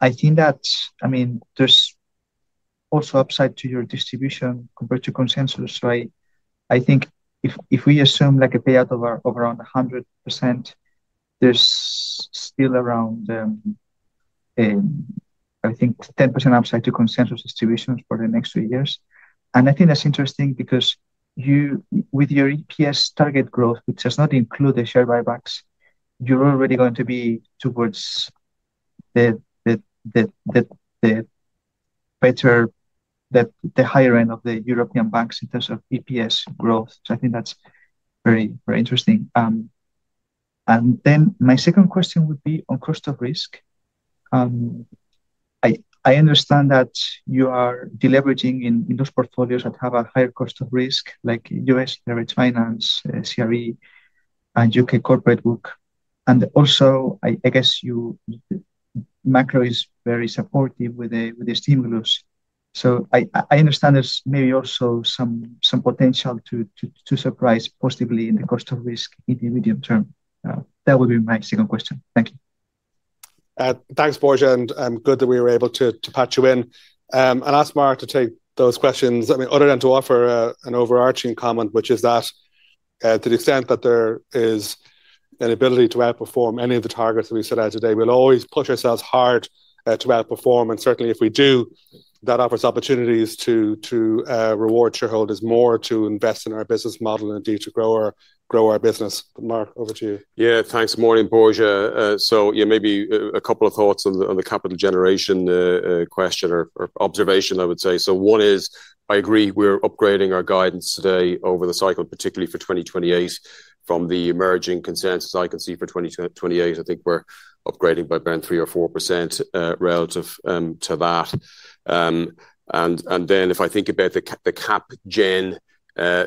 I think that's I mean, there's also upside to your distribution compared to consensus, right? I think if we assume like a payout of around 100%, there's still around I think 10% upside to consensus distributions for the next 3 years. I think that's interesting because with your EPS target growth, which does not include the share buybacks, you're already going to be towards the higher end of the European banks in terms of EPS growth. I think that's very, very interesting. Then my second question would be on cost of risk. I understand that you are deleveraging in those portfolios that have a higher cost of risk, like US acquisition finance, CRE, and U.K. corporate book. Also, I guess macro is very supportive with the, with the stimulus. I understand there's maybe also some potential to surprise positively in the cost of risk in the medium term. That would be my second question. Thank you. Thanks, Borja, good that we were able to patch you in. I'll ask Mark to take those questions. I mean, other than to offer an overarching comment, which is that to the extent that there is an ability to outperform any of the targets that we set out today, we'll always push ourselves hard to outperform. Certainly if we do, that offers opportunities to reward shareholders more to invest in our business model and indeed to grow our business. Mark, over to you. Thanks. Morning, Borja. Maybe a couple of thoughts on the capital generation question or observation, I would say. One is, I agree, we're upgrading our guidance today over the cycle, particularly for 2028 from the emerging consensus I can see for 2028. I think we're upgrading by around 3% or 4% relative to that. If I think about the cap gen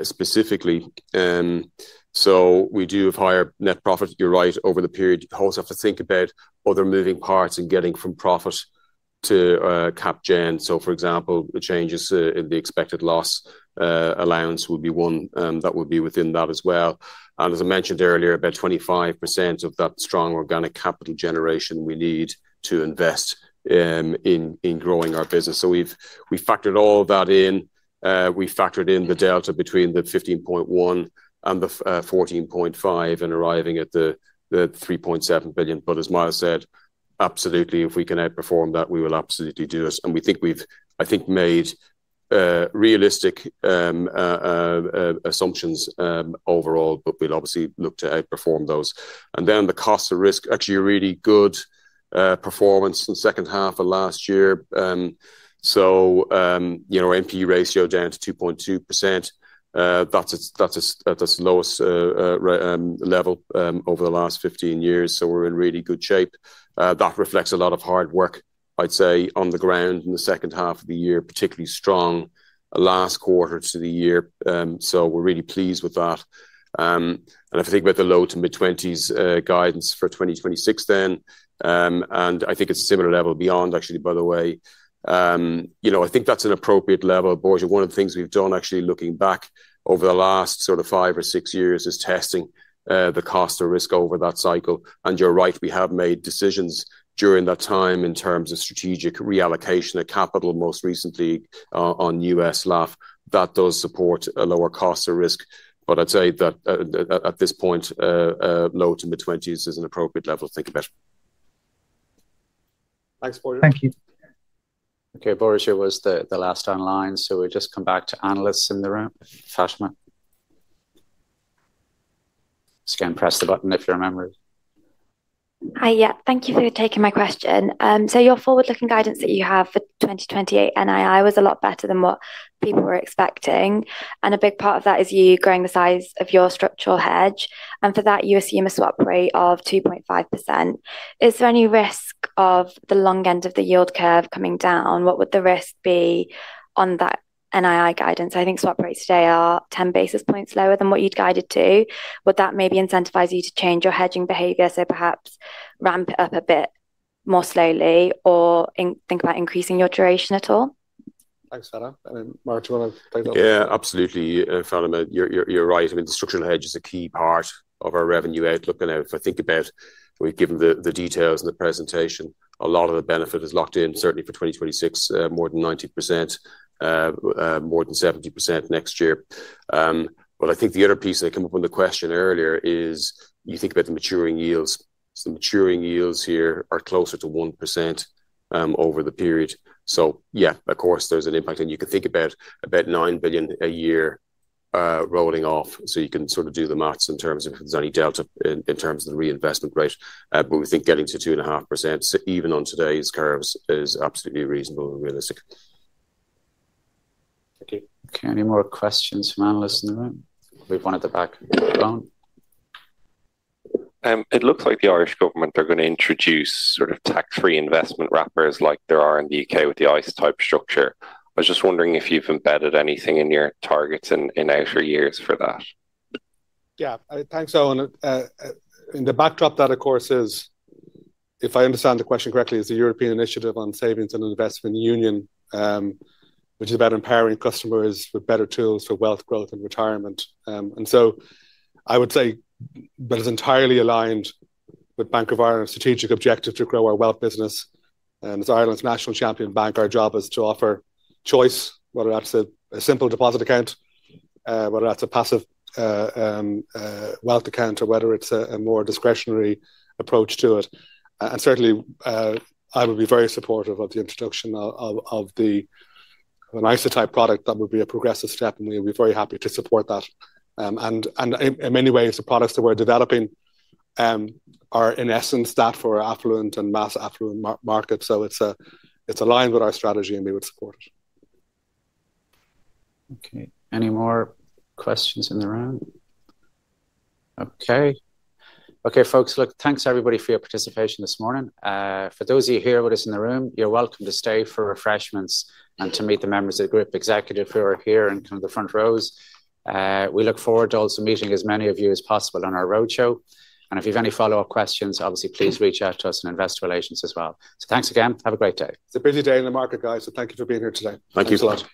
specifically, we do have higher net profit, you're right, over the period. You also have to think about other moving parts and getting from profit to cap gen. For example, the changes in the expected loss allowance would be one that would be within that as well. As I mentioned earlier, about 25% of that strong organic capital generation we need to invest in growing our business. We've, we factored all that in. We factored in the delta between the 15.1 and the 14.5 and arriving at the 3.7 billion. As Myles said, absolutely, if we can outperform that, we will absolutely do it. We think we've, I think, made realistic assumptions overall, but we'll obviously look to outperform those. Then the cost of risk, actually a really good performance in the second half of last year. So, you know, our NPE ratio down to 2.2%. That's its at its lowest level over the last 15 years, we're in really good shape. That reflects a lot of hard work, I'd say, on the ground in the second half of the year, particularly strong last quarter to the year. We're really pleased with that. If you think about the low to mid-20s guidance for 2026 then, I think it's a similar level beyond actually, by the way. You know, I think that's an appropriate level, Borja. One of the things we've done actually looking back over the last sort of 5 or 6 years is testing the cost of risk over that cycle. You're right, we have made decisions during that time in terms of strategic reallocation of capital most recently on US LAAF. That does support a lower cost of risk, but I'd say that at this point, low to mid-twenties is an appropriate level to think about. Thanks, Borja. Thank you. Okay. Borja was the last online, we just come back to analysts in the room. Fatima. Just go and press the button if you remember it. Hi. Thank you for taking my question. The forward-looking guidance that you have for 2028 NII was a lot better than what people were expecting, and a big part of that is you growing the size of your structural hedge. For that, you assume a swap rate of 2.5%. Is there any risk of the long end of the yield curve coming down? What would the risk be on that NII guidance? I think swap rates today are 10 basis points lower than what you'd guided to. Would that maybe incentivize you to change your hedging behavior, so perhaps ramp it up a bit more slowly or think about increasing your duration at all? Thanks, Fatima. Mark, do you wanna take that? Absolutely, Fatima. You're right. I mean, the structural hedge is a key part of our revenue outlook. If I think about we've given the details in the presentation, a lot of the benefit is locked in, certainly for 2026, more than 90%, more than 70% next year. I think the other piece that came up in the question earlier is you think about the maturing yields. The maturing yields here are closer to 1% over the period. Yeah, of course, there's an impact, and you can think about 9 billion a year rolling off. You can sort of do the math in terms of if there's any delta in terms of the reinvestment rate. We think getting to 2.5%, so even on today's curves, is absolutely reasonable and realistic. Okay. Okay. Any more questions from analysts in the room? We've one at the back on the phone. it looks like the Irish government are gonna introduce sort of tax-free investment wrappers like there are in the U.K. with the ISA type structure. I was just wondering if you've embedded anything in your targets in outer years for that. Thanks, Owen. The backdrop that of course is, if I understand the question correctly, is the European initiative on Savings and Investments Union, which is about empowering customers with better tools for wealth growth and retirement. I would say that is entirely aligned with Bank of Ireland's strategic objective to grow our wealth business. As Ireland's national champion bank, our job is to offer choice, whether that's a simple deposit account, whether that's a passive wealth account, or whether it's a more discretionary approach to it. Certainly, I would be very supportive of the introduction of an ISA type product. That would be a progressive step, and we'll be very happy to support that. In many ways, the products that we're developing, are in essence that for affluent and mass affluent market. It's aligned with our strategy, and we would support it. Okay. Any more questions in the room? Folks. Look, thanks everybody for your participation this morning. For those of you here with us in the room, you're welcome to stay for refreshments and to meet the members of the group executive who are here in kind of the front rows. We look forward to also meeting as many of you as possible on our roadshow. If you have any follow-up questions, obviously please reach out to us in Investor Relations as well. Thanks again. Have a great day. It's a busy day in the market, guys, so thank you for being here today. Thank you. Thanks a lot.